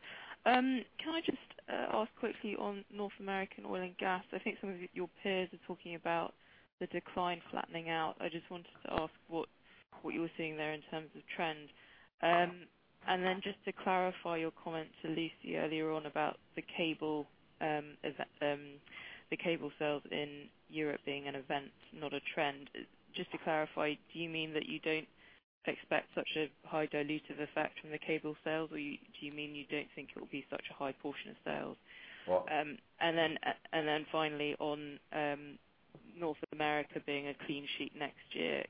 Can I just ask quickly on North American oil and gas? I think some of your peers are talking about the decline flattening out. I just wanted to ask what you're seeing there in terms of trend. Just to clarify your comment to Lucie earlier on about the cable sales in Europe being an event, not a trend. Just to clarify, do you mean that you don't expect such a high dilutive effect from the cable sales, or do you mean you don't think it will be such a high portion of sales? Well- Finally on North America being a clean sheet next year.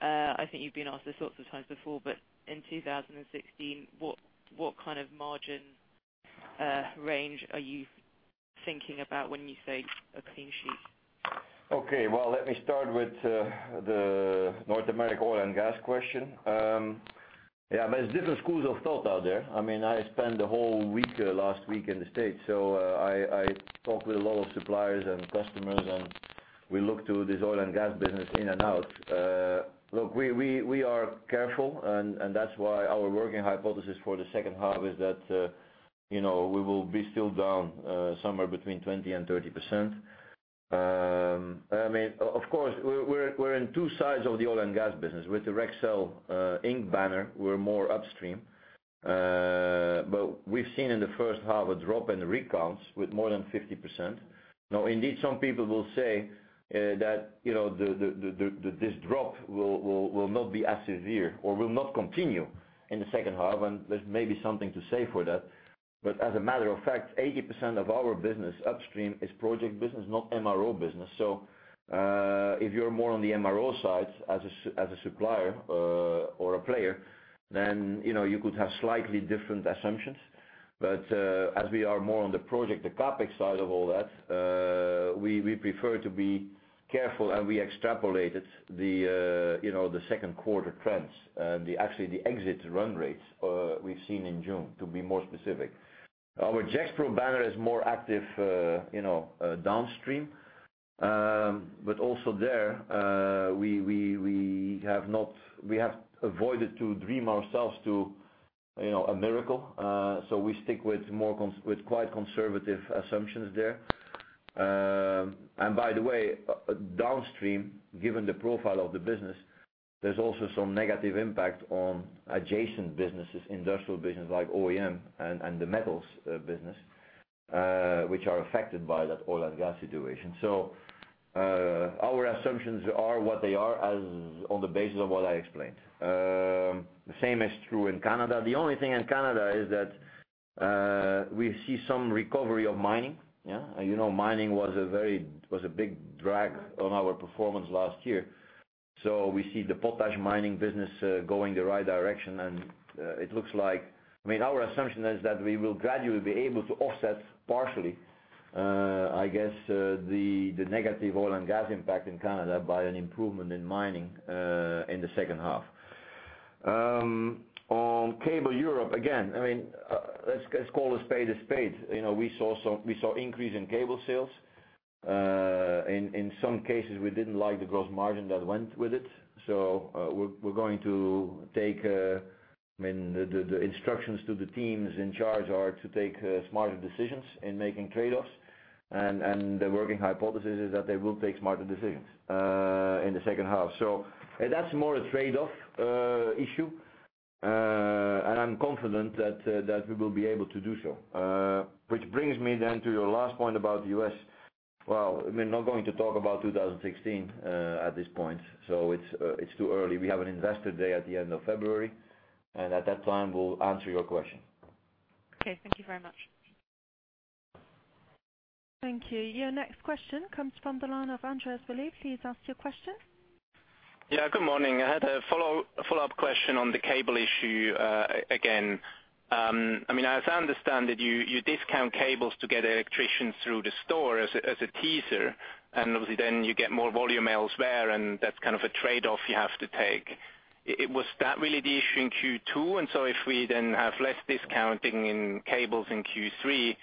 I think you've been asked this lots of times before, but in 2016, what kind of margin range are you thinking about when you say a clean sheet? Okay. Well, let me start with the North America oil and gas question. There's different schools of thought out there. I spent the whole week, last week in the U.S. I talked with a lot of suppliers and customers, and we looked to this oil and gas business in and out. Look, we are careful, and that's why our working hypothesis for the second half is that we will be still down somewhere between 20%-30%. Of course, we're in two sides of the oil and gas business. With the Rexel Inc. banner, we're more upstream. We've seen in the first half a drop in rig counts with more than 50%. Indeed, some people will say that this drop will not be as severe or will not continue in the second half, and there's maybe something to say for that. As a matter of fact, 80% of our business upstream is project business, not MRO business. If you're more on the MRO side as a supplier or a player, then you could have slightly different assumptions. As we are more on the project, the CapEx side of all that, we prefer to be careful, and we extrapolated the second quarter trends and actually the exit run rates we've seen in June, to be more specific. Our Rexel banner is more active downstream. Also there, we have avoided to dream ourselves to a miracle. We stick with quite conservative assumptions there. By the way, downstream, given the profile of the business, there's also some negative impact on adjacent businesses, industrial business like OEM and the metals business, which are affected by that oil and gas situation. Our assumptions are what they are on the basis of what I explained. The same is true in Canada. The only thing in Canada is that we see some recovery of mining. Mining was a big drag on our performance last year. We see the potash mining business going the right direction, and it looks like our assumption is that we will gradually be able to offset partially, I guess, the negative oil and gas impact in Canada by an improvement in mining in the second half. Cable Europe, again, let's call a spade a spade. We saw increase in cable sales. In some cases, we didn't like the gross margin that went with it. The instructions to the teams in charge are to take smarter decisions in making trade-offs. The working hypothesis is that they will take smarter decisions in the second half. That's more a trade-off issue. I'm confident that we will be able to do so. Which brings me then to your last point about the U.S. We're not going to talk about 2016 at this point. It's too early. We have an investor day at the end of February, at that time, we'll answer your question. Okay. Thank you very much. Thank you. Your next question comes from the line of Andreas Bali. Please ask your question. Yeah, good morning. I had a follow-up question on the cable issue, again. As I understand it, you discount cables to get electricians through the store as a teaser, and obviously then you get more volume elsewhere and that's kind of a trade-off you have to take. Was that really the issue in Q2? If we then have less discounting in cables in Q3,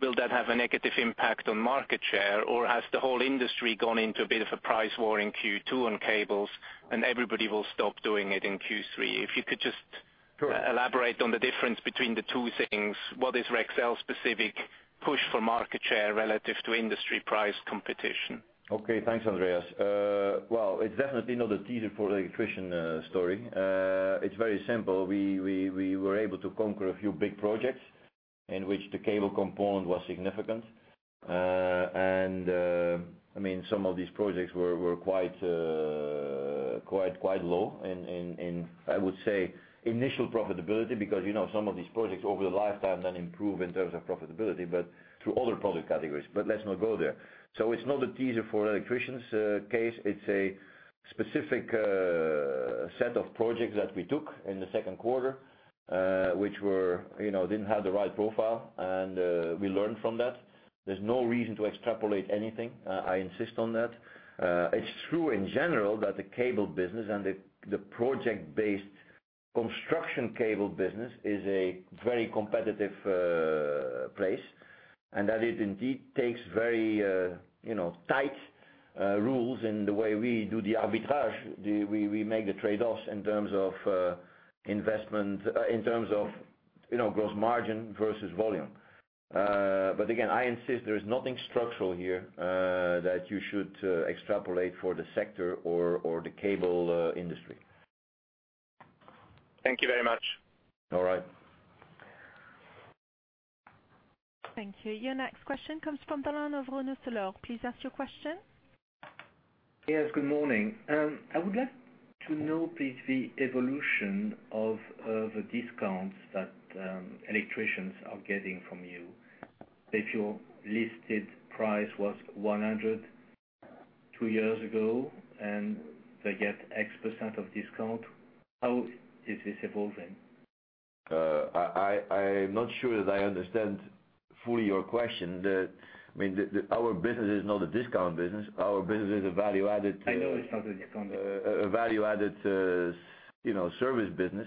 will that have a negative impact on market share, or has the whole industry gone into a bit of a price war in Q2 on cables and everybody will stop doing it in Q3? If you could just- Sure Could you elaborate on the difference between the two things? What is Rexel's specific push for market share relative to industry price competition? Okay. Thanks, Andreas. It's definitely not a teaser for the electrician story. It's very simple. We were able to conquer a few big projects in which the cable component was significant. Some of these projects were quite low in, I would say, initial profitability, because some of these projects over the lifetime then improve in terms of profitability, but through other product categories. Let's not go there. It's not a teaser for electricians case. It's a specific set of projects that we took in the second quarter, which didn't have the right profile, and we learned from that. There's no reason to extrapolate anything. I insist on that. It's true in general that the cable business and the project-based construction cable business is a very competitive place, and that it indeed takes very tight rules in the way we do the arbitrage. We make the trade-offs in terms of investment, in terms of gross margin versus volume. Again, I insist there is nothing structural here that you should extrapolate for the sector or the cable industry. Thank you very much. All right. Thank you. Your next question comes from the line of Ronald Selord. Please ask your question. Yes, good morning. I would like to know, please, the evolution of the discounts that electricians are getting from you. If your listed price was 100 two years ago, and they get X% of discount, how is this evolving? I'm not sure that I understand fully your question. Our business is not a discount business. Our business is a value added. I know it's not a discount business a value added service business.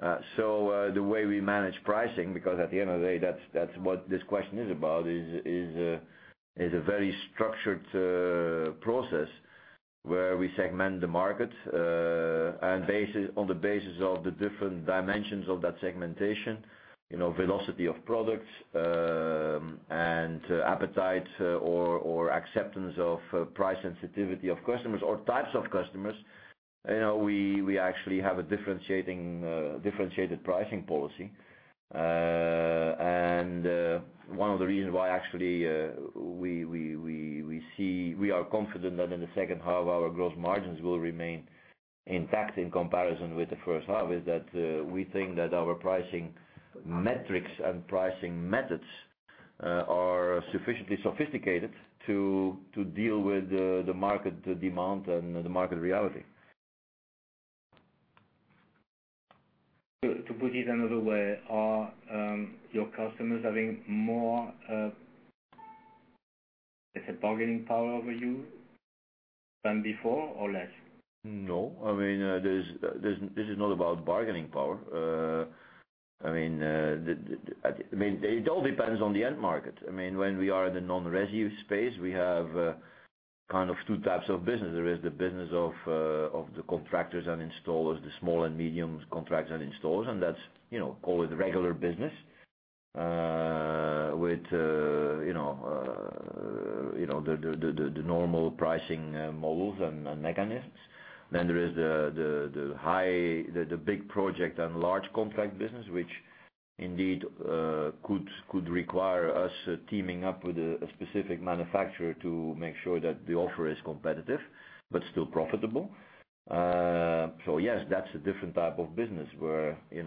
The way we manage pricing, because at the end of the day, that's what this question is about, is a very structured process where we segment the market, on the basis of the different dimensions of that segmentation, velocity of products, and appetite or acceptance of price sensitivity of customers or types of customers. We actually have a differentiated pricing policy. One of the reasons why actually, we are confident that in the second half, our gross margins will remain intact in comparison with the first half is that, we think that our pricing metrics and pricing methods are sufficiently sophisticated to deal with the market demand and the market reality. To put it another way, are your customers having more, let's say, bargaining power over you than before or less? No. This is not about bargaining power. It all depends on the end market. When we are in the non-resi space, we have 2 types of business. There is the business of the contractors and installers, the small and medium contractors and installers, and that's, call it regular business, with the normal pricing models and mechanisms. Then there is the big project and large contract business, which indeed could require us teaming up with a specific manufacturer to make sure that the offer is competitive but still profitable. Yes, that's a different type of business where, in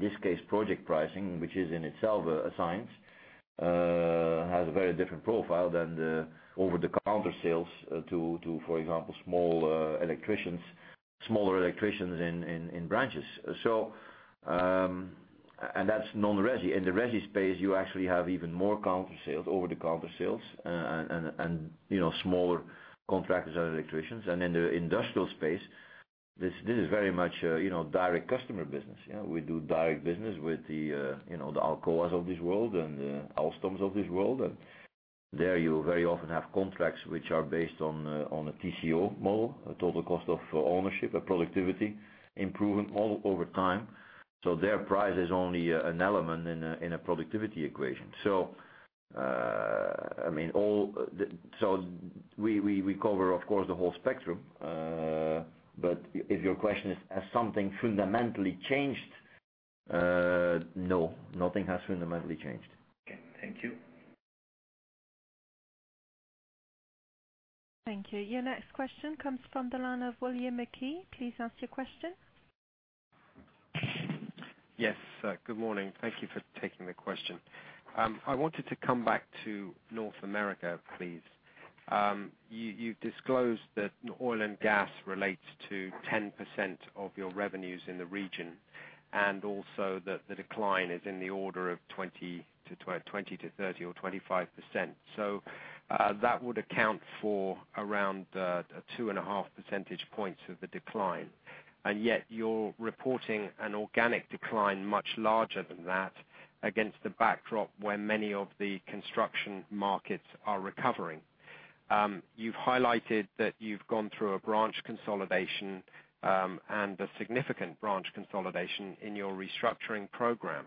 this case, project pricing, which is in itself a science, has a very different profile than the over-the-counter sales to, for example, small electricians. Smaller electricians in branches. That's non-resi. In the resi space, you actually have even more counter sales, over-the-counter sales, and smaller contractors and electricians. In the industrial space, this is very much a direct customer business. We do direct business with the Alcoas of this world and the Alstoms of this world. There you very often have contracts which are based on a TCO model, a total cost of ownership, a productivity improvement model over time. Their price is only an element in a productivity equation. We cover, of course, the whole spectrum. If your question is, has something fundamentally changed? No, nothing has fundamentally changed. Okay. Thank you. Thank you. Your next question comes from the line of William Mackie. Please ask your question. Yes. Good morning. Thank you for taking the question. I wanted to come back to North America, please. You've disclosed that oil and gas relates to 10% of your revenues in the region, also that the decline is in the order of 20% to 30% or 25%. That would account for around two and a half percentage points of the decline. Yet you're reporting an organic decline much larger than that against the backdrop where many of the construction markets are recovering. You've highlighted that you've gone through a branch consolidation, and a significant branch consolidation in your restructuring program.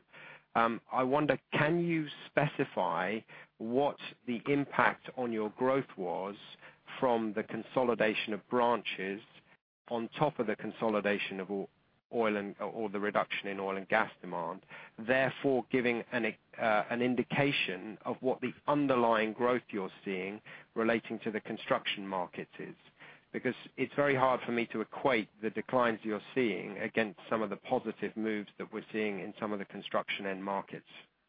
I wonder, can you specify what the impact on your growth was from the consolidation of branches on top of the consolidation of oil or the reduction in oil and gas demand, therefore giving an indication of what the underlying growth you're seeing relating to the construction market is? It's very hard for me to equate the declines you're seeing against some of the positive moves that we're seeing in some of the construction end markets.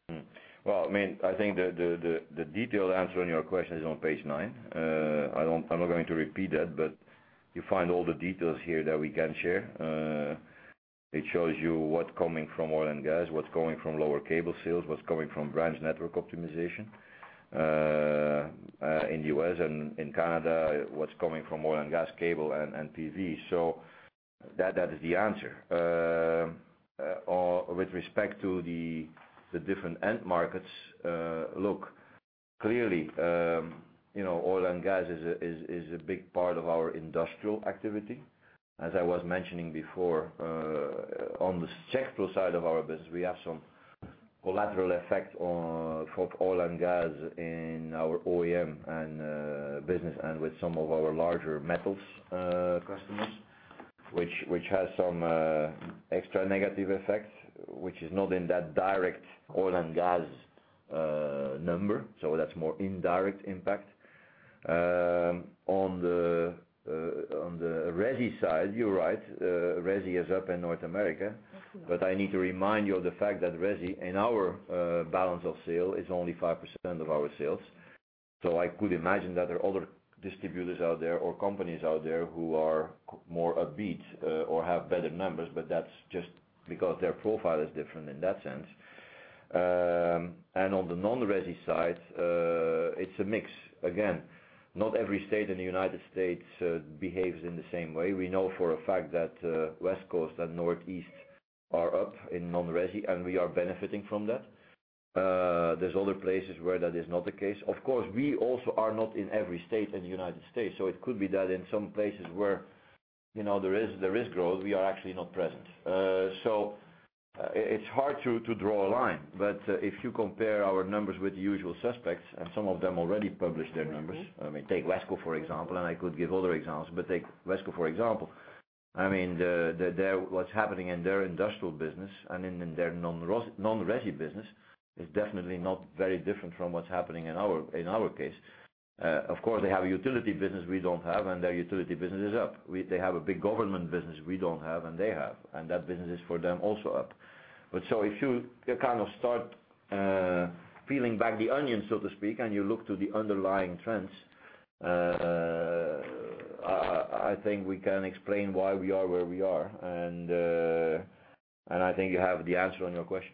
I think the detailed answer on your question is on page nine. I'm not going to repeat that, but you find all the details here that we can share. It shows you what's coming from oil and gas, what's coming from lower cable sales, what's coming from branch network optimization. In U.S. and in Canada, what's coming from oil and gas, cable, and PV. That is the answer. With respect to the different end markets, look, clearly oil and gas is a big part of our industrial activity. As I was mentioning before, on the sector side of our business, we have some collateral effect for oil and gas in our OEM and business and with some of our larger metals customers, which has some extra negative effects, which is not in that direct oil and gas number, so that's more indirect impact. On the resi side, you're right, resi is up in North America. I need to remind you of the fact that resi, in our balance of sale, is only 5% of our sales. I could imagine that there are other distributors out there or companies out there who are more upbeat or have better numbers, but that's just because their profile is different in that sense. On the non-resi side, it's a mix. Again, not every state in the United States behaves in the same way. We know for a fact that West Coast and Northeast are up in non-resi, and we are benefiting from that. There's other places where that is not the case. We also are not in every state in the United States, so it could be that in some places where there is growth, we are actually not present. It's hard to draw a line, but if you compare our numbers with the usual suspects and some of them already published their numbers. Take WESCO, for example, and I could give other examples, but take WESCO, for example. What's happening in their industrial business and in their non-resi business is definitely not very different from what's happening in our case. Of course, they have a utility business we don't have, and their utility business is up. They have a big government business we don't have, and they have, and that business is for them also up. If you kind of start peeling back the onion, so to speak, and you look to the underlying trends, I think we can explain why we are where we are. I think you have the answer on your question.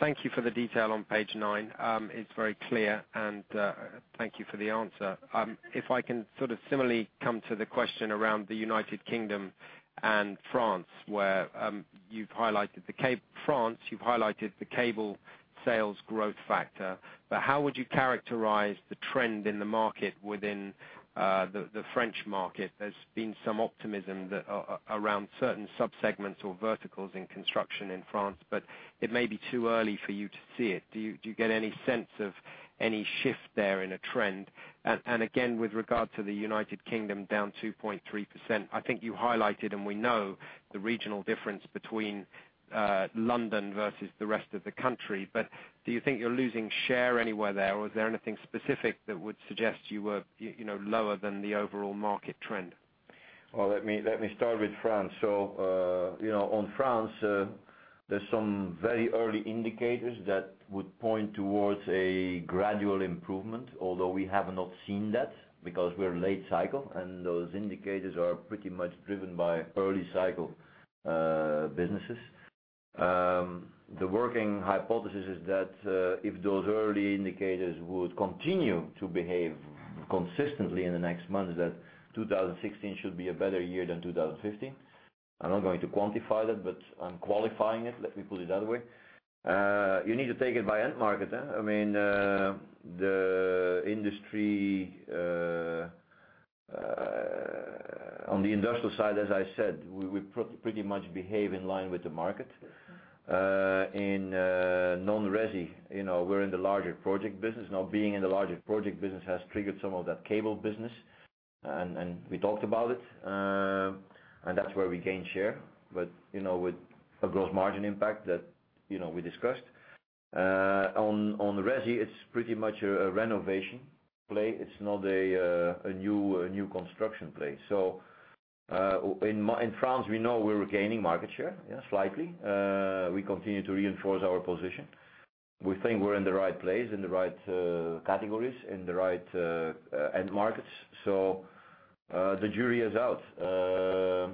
Thank you for the detail on page nine. It's very clear, and thank you for the answer. If I can sort of similarly come to the question around the U.K. and France, where you've highlighted the cable sales growth factor, how would you characterize the trend in the market within the French market? There's been some optimism around certain subsegments or verticals in construction in France, but it may be too early for you to see it. Do you get any sense of any shift there in a trend? Again, with regard to the U.K. down 2.3%, I think you highlighted and we know the regional difference between London versus the rest of the country, do you think you're losing share anywhere there? Or is there anything specific that would suggest you were lower than the overall market trend? Let me start with France. On France, there's some very early indicators that would point towards a gradual improvement, although we have not seen that because we're late cycle, and those indicators are pretty much driven by early cycle businesses. The working hypothesis is that if those early indicators would continue to behave consistently in the next months, that 2016 should be a better year than 2015. I'm not going to quantify that, but I'm qualifying it. Let me put it that way. You need to take it by end market. On the industrial side, as I said, we pretty much behave in line with the market. In non-resi, we're in the larger project business. Being in the larger project business has triggered some of that cable business, and we talked about it. That's where we gain share, but with a gross margin impact that we discussed. On resi, it's pretty much a renovation play. It's not a new construction play. In France, we know we're gaining market share, slightly. We continue to reinforce our position. We think we're in the right place, in the right categories, in the right end markets. The jury is out. The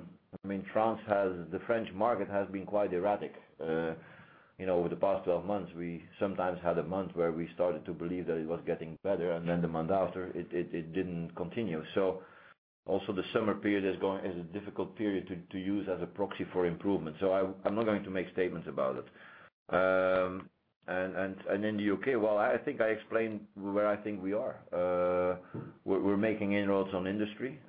French market has been quite erratic over the past 12 months. We sometimes had a month where we started to believe that it was getting better, and then the month after, it didn't continue. Also the summer period is a difficult period to use as a proxy for improvement. I'm not going to make statements about it. In the U.K., well, I think I explained where I think we are. We're making inroads on industry.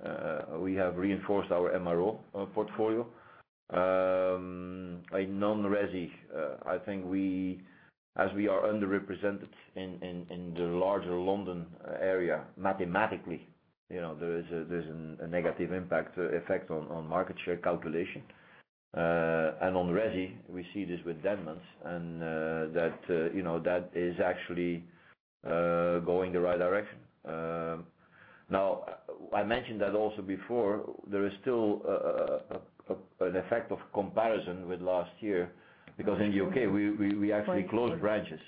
We have reinforced our MRO portfolio. In non-resi, I think as we are underrepresented in the larger London area, mathematically, there is a negative impact effect on market share calculation. On resi, we see this with Denmans, and that is actually going the right direction. I mentioned that also before. There is still an effect of comparison with last year because in the U.K., we actually closed branches.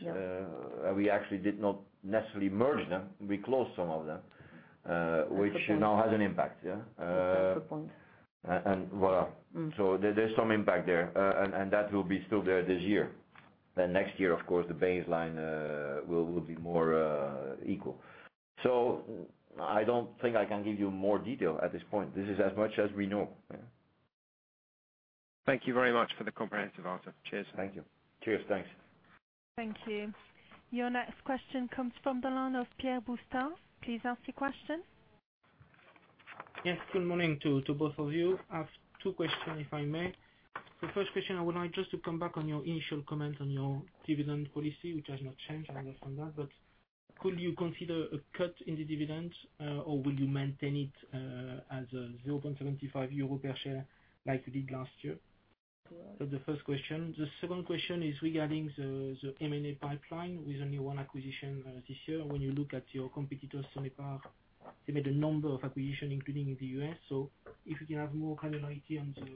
We actually did not necessarily merge them. We closed some of them, which now has an impact. Yeah. That's a good point. Voilà. There is some impact there, and that will be still there this year. Next year, of course, the baseline will be more equal. I don't think I can give you more detail at this point. This is as much as we know. Yeah. Thank you very much for the comprehensive answer. Cheers. Thank you. Cheers. Thanks. Thank you. Your next question comes from the line of Pierre Bousteix. Please ask your question. Yes. Good morning to both of you. I have two questions, if I may. The first question, I would like just to come back on your initial comment on your dividend policy, which has not changed. I understand that, but could you consider a cut in the dividend, or will you maintain it as a 0.75 euro per share like you did last year? That's the first question. The second question is regarding the M&A pipeline with only one acquisition this year. When you look at your competitor, Sonepar, they made a number of acquisitions, including in the U.S. If you can have more clarity on the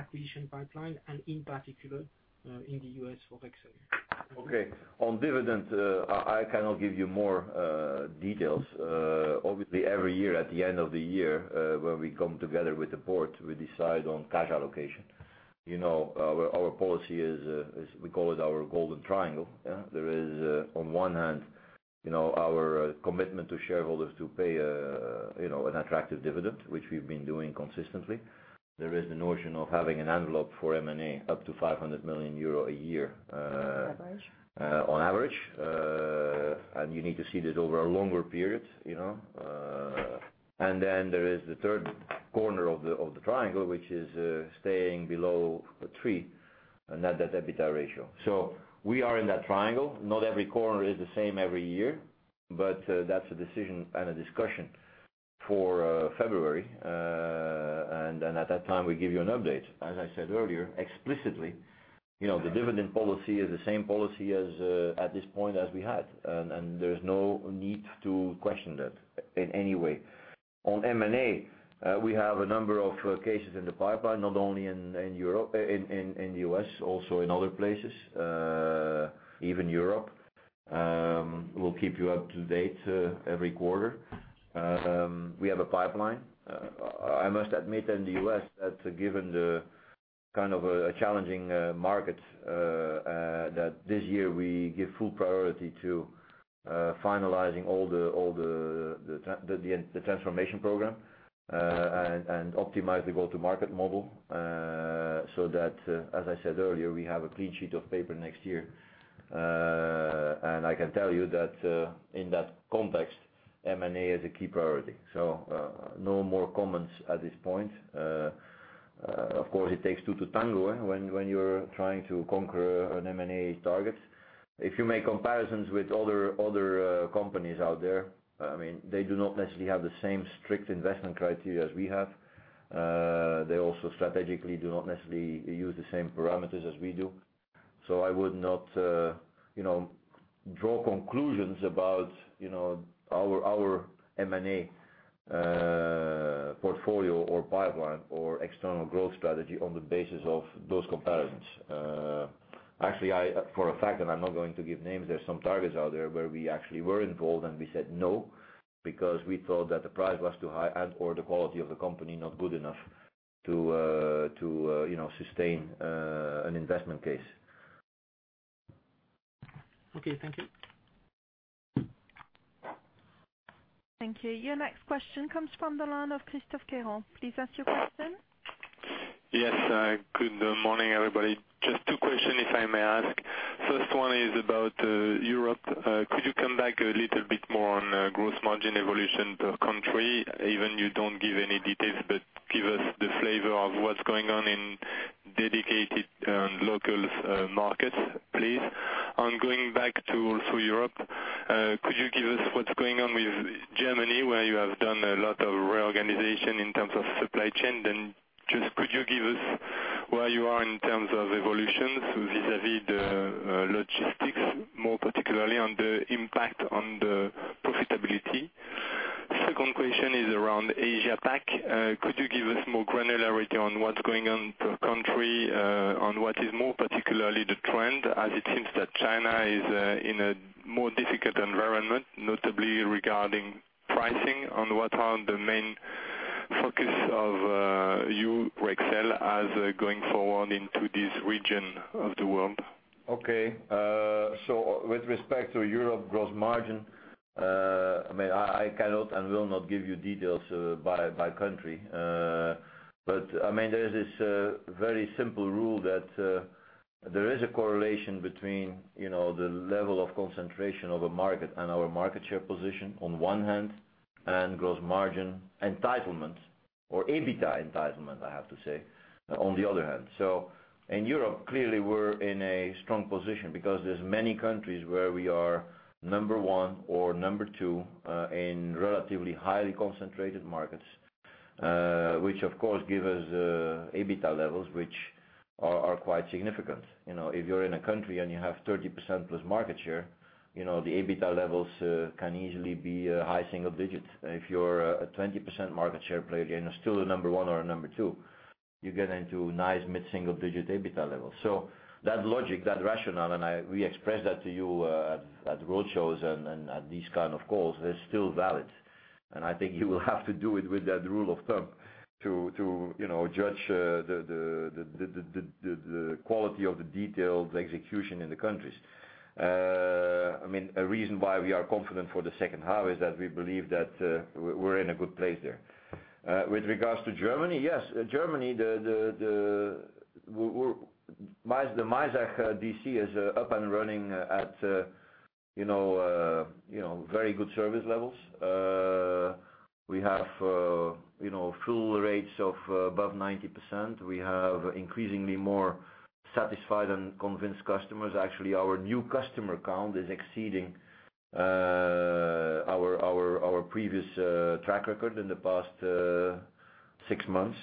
acquisition pipeline and in particular, in the U.S. for Rexel. Okay. On dividends, I cannot give you more details. Obviously, every year at the end of the year, when we come together with the board, we decide on cash allocation. Our policy is, we call it our golden triangle. Yeah. There is, on one hand, our commitment to shareholders to pay an attractive dividend, which we've been doing consistently. There is the notion of having an envelope for M&A up to 500 million euro a year. On average. On average. You need to see this over a longer period. There is the third corner of the triangle, which is staying below the 3 net debt-to-EBITDA ratio. We are in that triangle. Not every corner is the same every year, but that's a decision and a discussion for February. At that time, we give you an update. As I said earlier, explicitly, the dividend policy is the same policy at this point as we had. There's no need to question that in any way. On M&A, we have a number of cases in the pipeline, not only in the U.S., also in other places, even Europe. We'll keep you up to date every quarter. We have a pipeline. I must admit in the U.S. that given the kind of a challenging market, that this year we give full priority to finalizing all the transformation program, and optimize the go-to-market model, that, as I said earlier, we have a clean sheet of paper next year. I can tell you that in that context, M&A is a key priority. No more comments at this point. Of course, it takes two to tango when you're trying to conquer an M&A target. If you make comparisons with other companies out there, they do not necessarily have the same strict investment criteria as we have. They also strategically do not necessarily use the same parameters as we do. I would not draw conclusions about our M&A portfolio or pipeline or external growth strategy on the basis of those comparisons. Actually, for a fact, I'm not going to give names, there's some targets out there where we actually were involved, we said, "No," because we thought that the price was too high and/or the quality of the company not good enough to sustain an investment case. Okay. Thank you. Thank you. Your next question comes from the line of Christophe Quatron. Please ask your question. Yes. Good morning, everybody. Just two question, if I may ask. First one is about Europe. Could you come back a little bit more on gross margin evolution per country? Even you don't give any details, but give us the flavor of what's going on in dedicated local markets, please. Going back to also Europe, could you give us what's going on with Germany, where you have done a lot of reorganization in terms of supply chain? Just could you give us where you are in terms of evolutions vis-à-vis the logistics, more particularly on the impact on the profitability? Second question is around Asia Pac. Could you give us more granularity on what's going on per country, on what is more particularly the trend, as it seems that China is in a more difficult environment, notably regarding pricing, and what are the main focus of you, Rexel, as going forward into this region of the world? With respect to Europe gross margin, I cannot and will not give you details by country. There is this very simple rule that there is a correlation between the level of concentration of a market and our market share position on one hand, and gross margin entitlements or EBITDA entitlements, I have to say, on the other hand. In Europe, clearly, we're in a strong position because there's many countries where we are number one or number two, in relatively highly concentrated markets, which of course give us EBITDA levels which are quite significant. If you're in a country and you have 30%+ market share, the EBITDA levels can easily be high single digits. If you're a 20% market share player, you're still a number one or a number two. You get into nice mid-single-digit EBITDA levels. That logic, that rationale, and we expressed that to you at roadshows and at these kind of calls, is still valid. I think you will have to do it with that rule of thumb to judge the quality of the detailed execution in the countries. A reason why we are confident for the second half is that we believe that we're in a good place there. With regards to Germany, yes. In Germany, the Maisach DC is up and running at very good service levels. We have fill rates of above 90%. We have increasingly more satisfied and convinced customers. Actually, our new customer count is exceeding our previous track record in the past six months.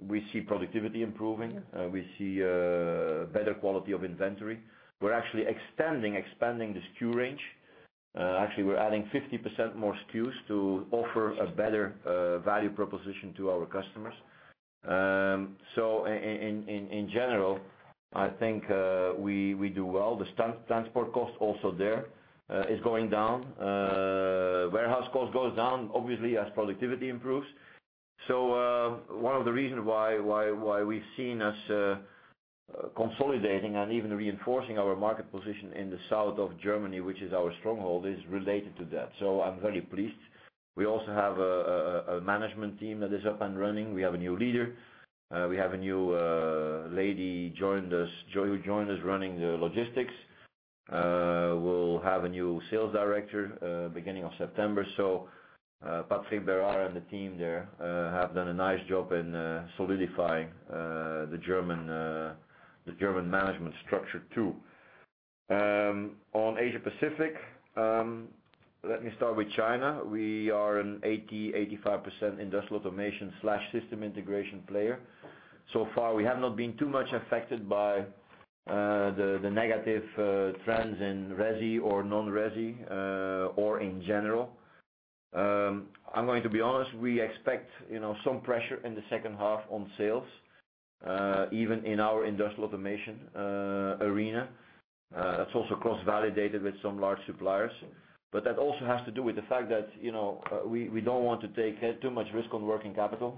We see productivity improving. We see better quality of inventory. We're actually extending, expanding the SKU range. Actually, we're adding 50% more SKUs to offer a better value proposition to our customers. In general, I think we do well. The transport cost also there is going down. Warehouse cost goes down obviously as productivity improves. One of the reasons why we've seen us consolidating and even reinforcing our market position in the south of Germany, which is our stronghold, is related to that. I'm very pleased. We also have a management team that is up and running. We have a new leader. We have a new lady who joined us running the logistics. We'll have a new sales director beginning of September. Patrick Berard and the team there have done a nice job in solidifying the German management structure, too. On Asia Pacific, let me start with China. We are an 80%-85% industrial automation/system integration player. So far, we have not been too much affected by the negative trends in resi or non-resi, or in general. I'm going to be honest, we expect some pressure in the second half on sales, even in our industrial automation arena. That's also cross-validated with some large suppliers. That also has to do with the fact that we don't want to take too much risk on working capital.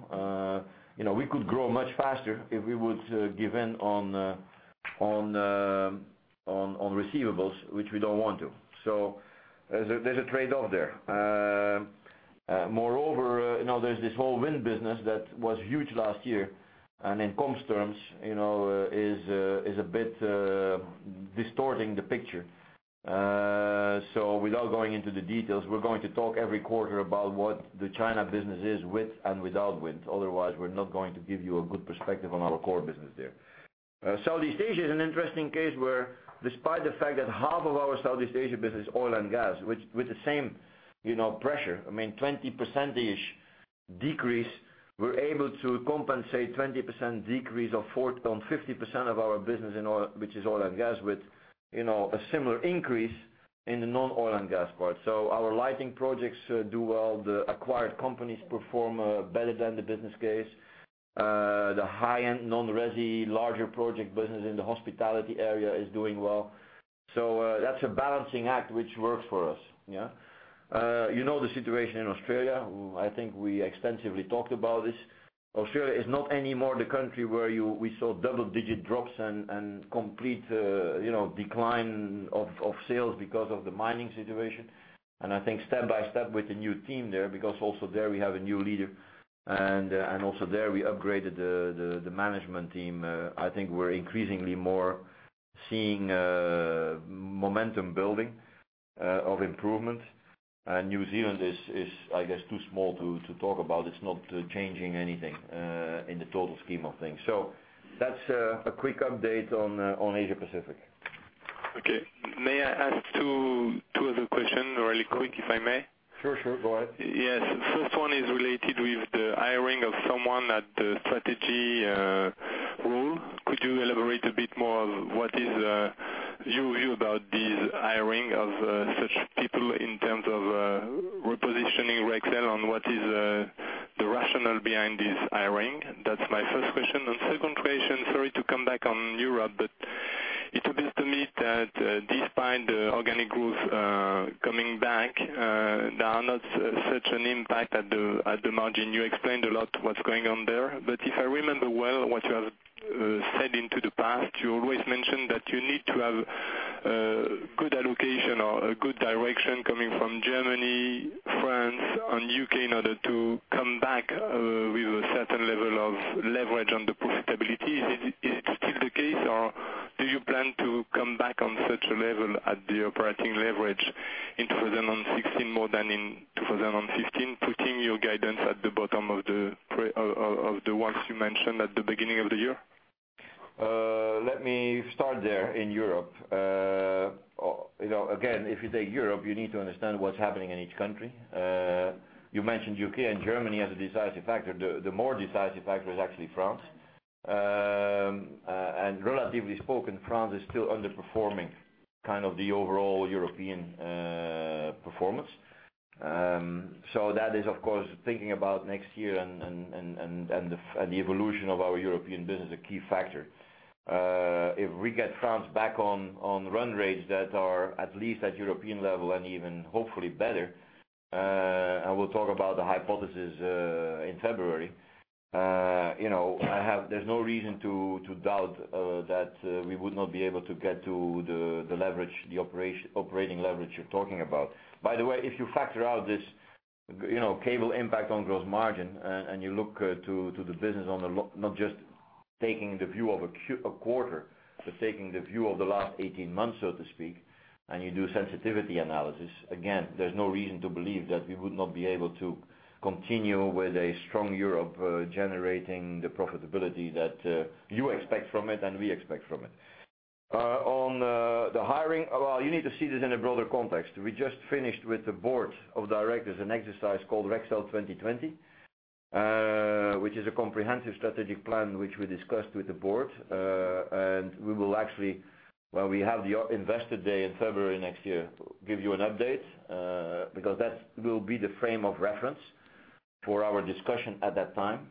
We could grow much faster if we would give in on receivables, which we don't want to. There's a trade-off there. Moreover, there's this whole wind business that was huge last year, and in comms terms, is a bit distorting the picture. Without going into the details, we're going to talk every quarter about what the China business is with and without wind. Otherwise, we're not going to give you a good perspective on our core business there. Southeast Asia is an interesting case where despite the fact that half of our Southeast Asia business, oil and gas, with the same pressure, I mean, 20% decrease, we're able to compensate 20% decrease on 50% of our business, which is oil and gas, with a similar increase in the non-oil-and-gas part. Our lighting projects do well. The acquired companies perform better than the business case. The high-end, non-resi, larger project business in the hospitality area is doing well. That's a balancing act which works for us. You know the situation in Australia. I think we extensively talked about this. Australia is not anymore the country where we saw double-digit drops and complete decline of sales because of the mining situation. I think step by step with the new team there, because also there we have a new leader, and also there we upgraded the management team. I think we're increasingly more seeing momentum building of improvement. New Zealand is, I guess, too small to talk about. It's not changing anything in the total scheme of things. That's a quick update on Asia Pacific. Okay. May I ask two other questions really quick, if I may? Sure. Go ahead. Yes. First one is related with the hiring of someone at the strategy role. Could you elaborate a bit more of what is your view about this hiring of such people in terms of repositioning Rexel and what is the rationale behind this hiring? That's my first question. Second question, sorry to come back on Europe, but it appears to me that despite the organic growth coming back, there are not such an impact at the margin. You explained a lot what's going on there, but if I remember well what you have said into the past, you always mention that you need to have a good allocation or a good direction coming from Germany, France, and U.K. in order to come back with a certain level of leverage on the profitability. Is it still the case, or do you plan to come back on such a level at the operating leverage in 2016 more than in 2015, putting your guidance at the bottom of the ones you mentioned at the beginning of the year? Let me start there in Europe. Again, if you take Europe, you need to understand what's happening in each country. You mentioned U.K. and Germany as a decisive factor. The more decisive factor is actually France. Relatively spoken, France is still underperforming kind of the overall European performance. That is, of course, thinking about next year and the evolution of our European business, a key factor. If we get France back on run rates that are at least at European level and even hopefully better, and we'll talk about the hypothesis in February, there's no reason to doubt that we would not be able to get to the operating leverage you're talking about. By the way, if you factor out this cable impact on gross margin and you look to the business on not just taking the view of a quarter, but taking the view of the last 18 months, so to speak, and you do a sensitivity analysis, again, there's no reason to believe that we would not be able to continue with a strong Europe generating the profitability that you expect from it and we expect from it. On the hiring, well, you need to see this in a broader context. We just finished with the board of directors, an exercise called Rexel 2020, which is a comprehensive strategic plan which we discussed with the board. We will actually, when we have the investor day in February next year, give you an update, because that will be the frame of reference for our discussion at that time.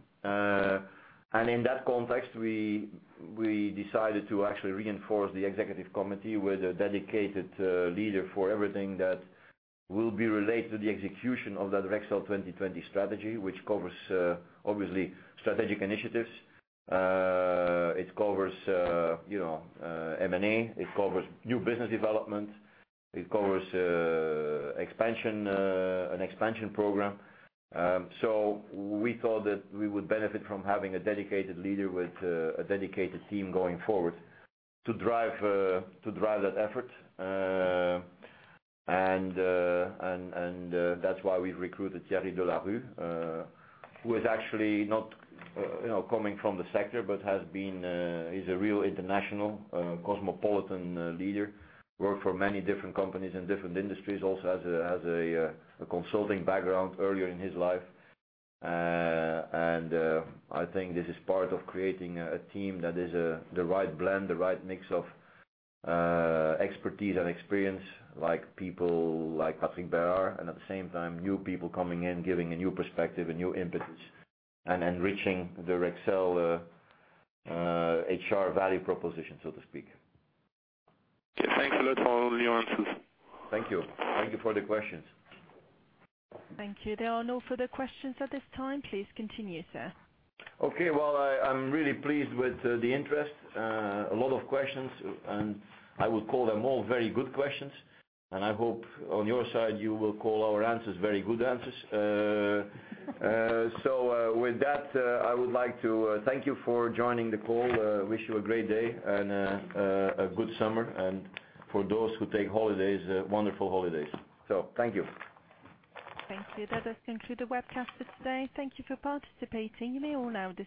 In that context, we decided to actually reinforce the Executive Committee with a dedicated leader for everything that will be related to the execution of that Rexel 2020 strategy, which covers obviously strategic initiatives. It covers M&A, it covers new business development, it covers an expansion program. We thought that we would benefit from having a dedicated leader with a dedicated team going forward to drive that effort, and that's why we've recruited Thierry Delarue, who is actually not coming from the sector, but he's a real international cosmopolitan leader, worked for many different companies in different industries, also has a consulting background earlier in his life. I think this is part of creating a team that is the right blend, the right mix of expertise and experience, people like Patrick Berard, and at the same time, new people coming in, giving a new perspective, a new impetus, and enriching the Rexel HR value proposition, so to speak. Okay, thanks a lot for all your answers. Thank you. Thank you for the questions. Thank you. There are no further questions at this time. Please continue, sir. Okay. Well, I'm really pleased with the interest. A lot of questions, and I would call them all very good questions, and I hope on your side, you will call our answers very good answers. With that, I would like to thank you for joining the call. Wish you a great day and a good summer. For those who take holidays, wonderful holidays. Thank you. Thank you. That does conclude the webcast for today. Thank you for participating. You may all now disconnect.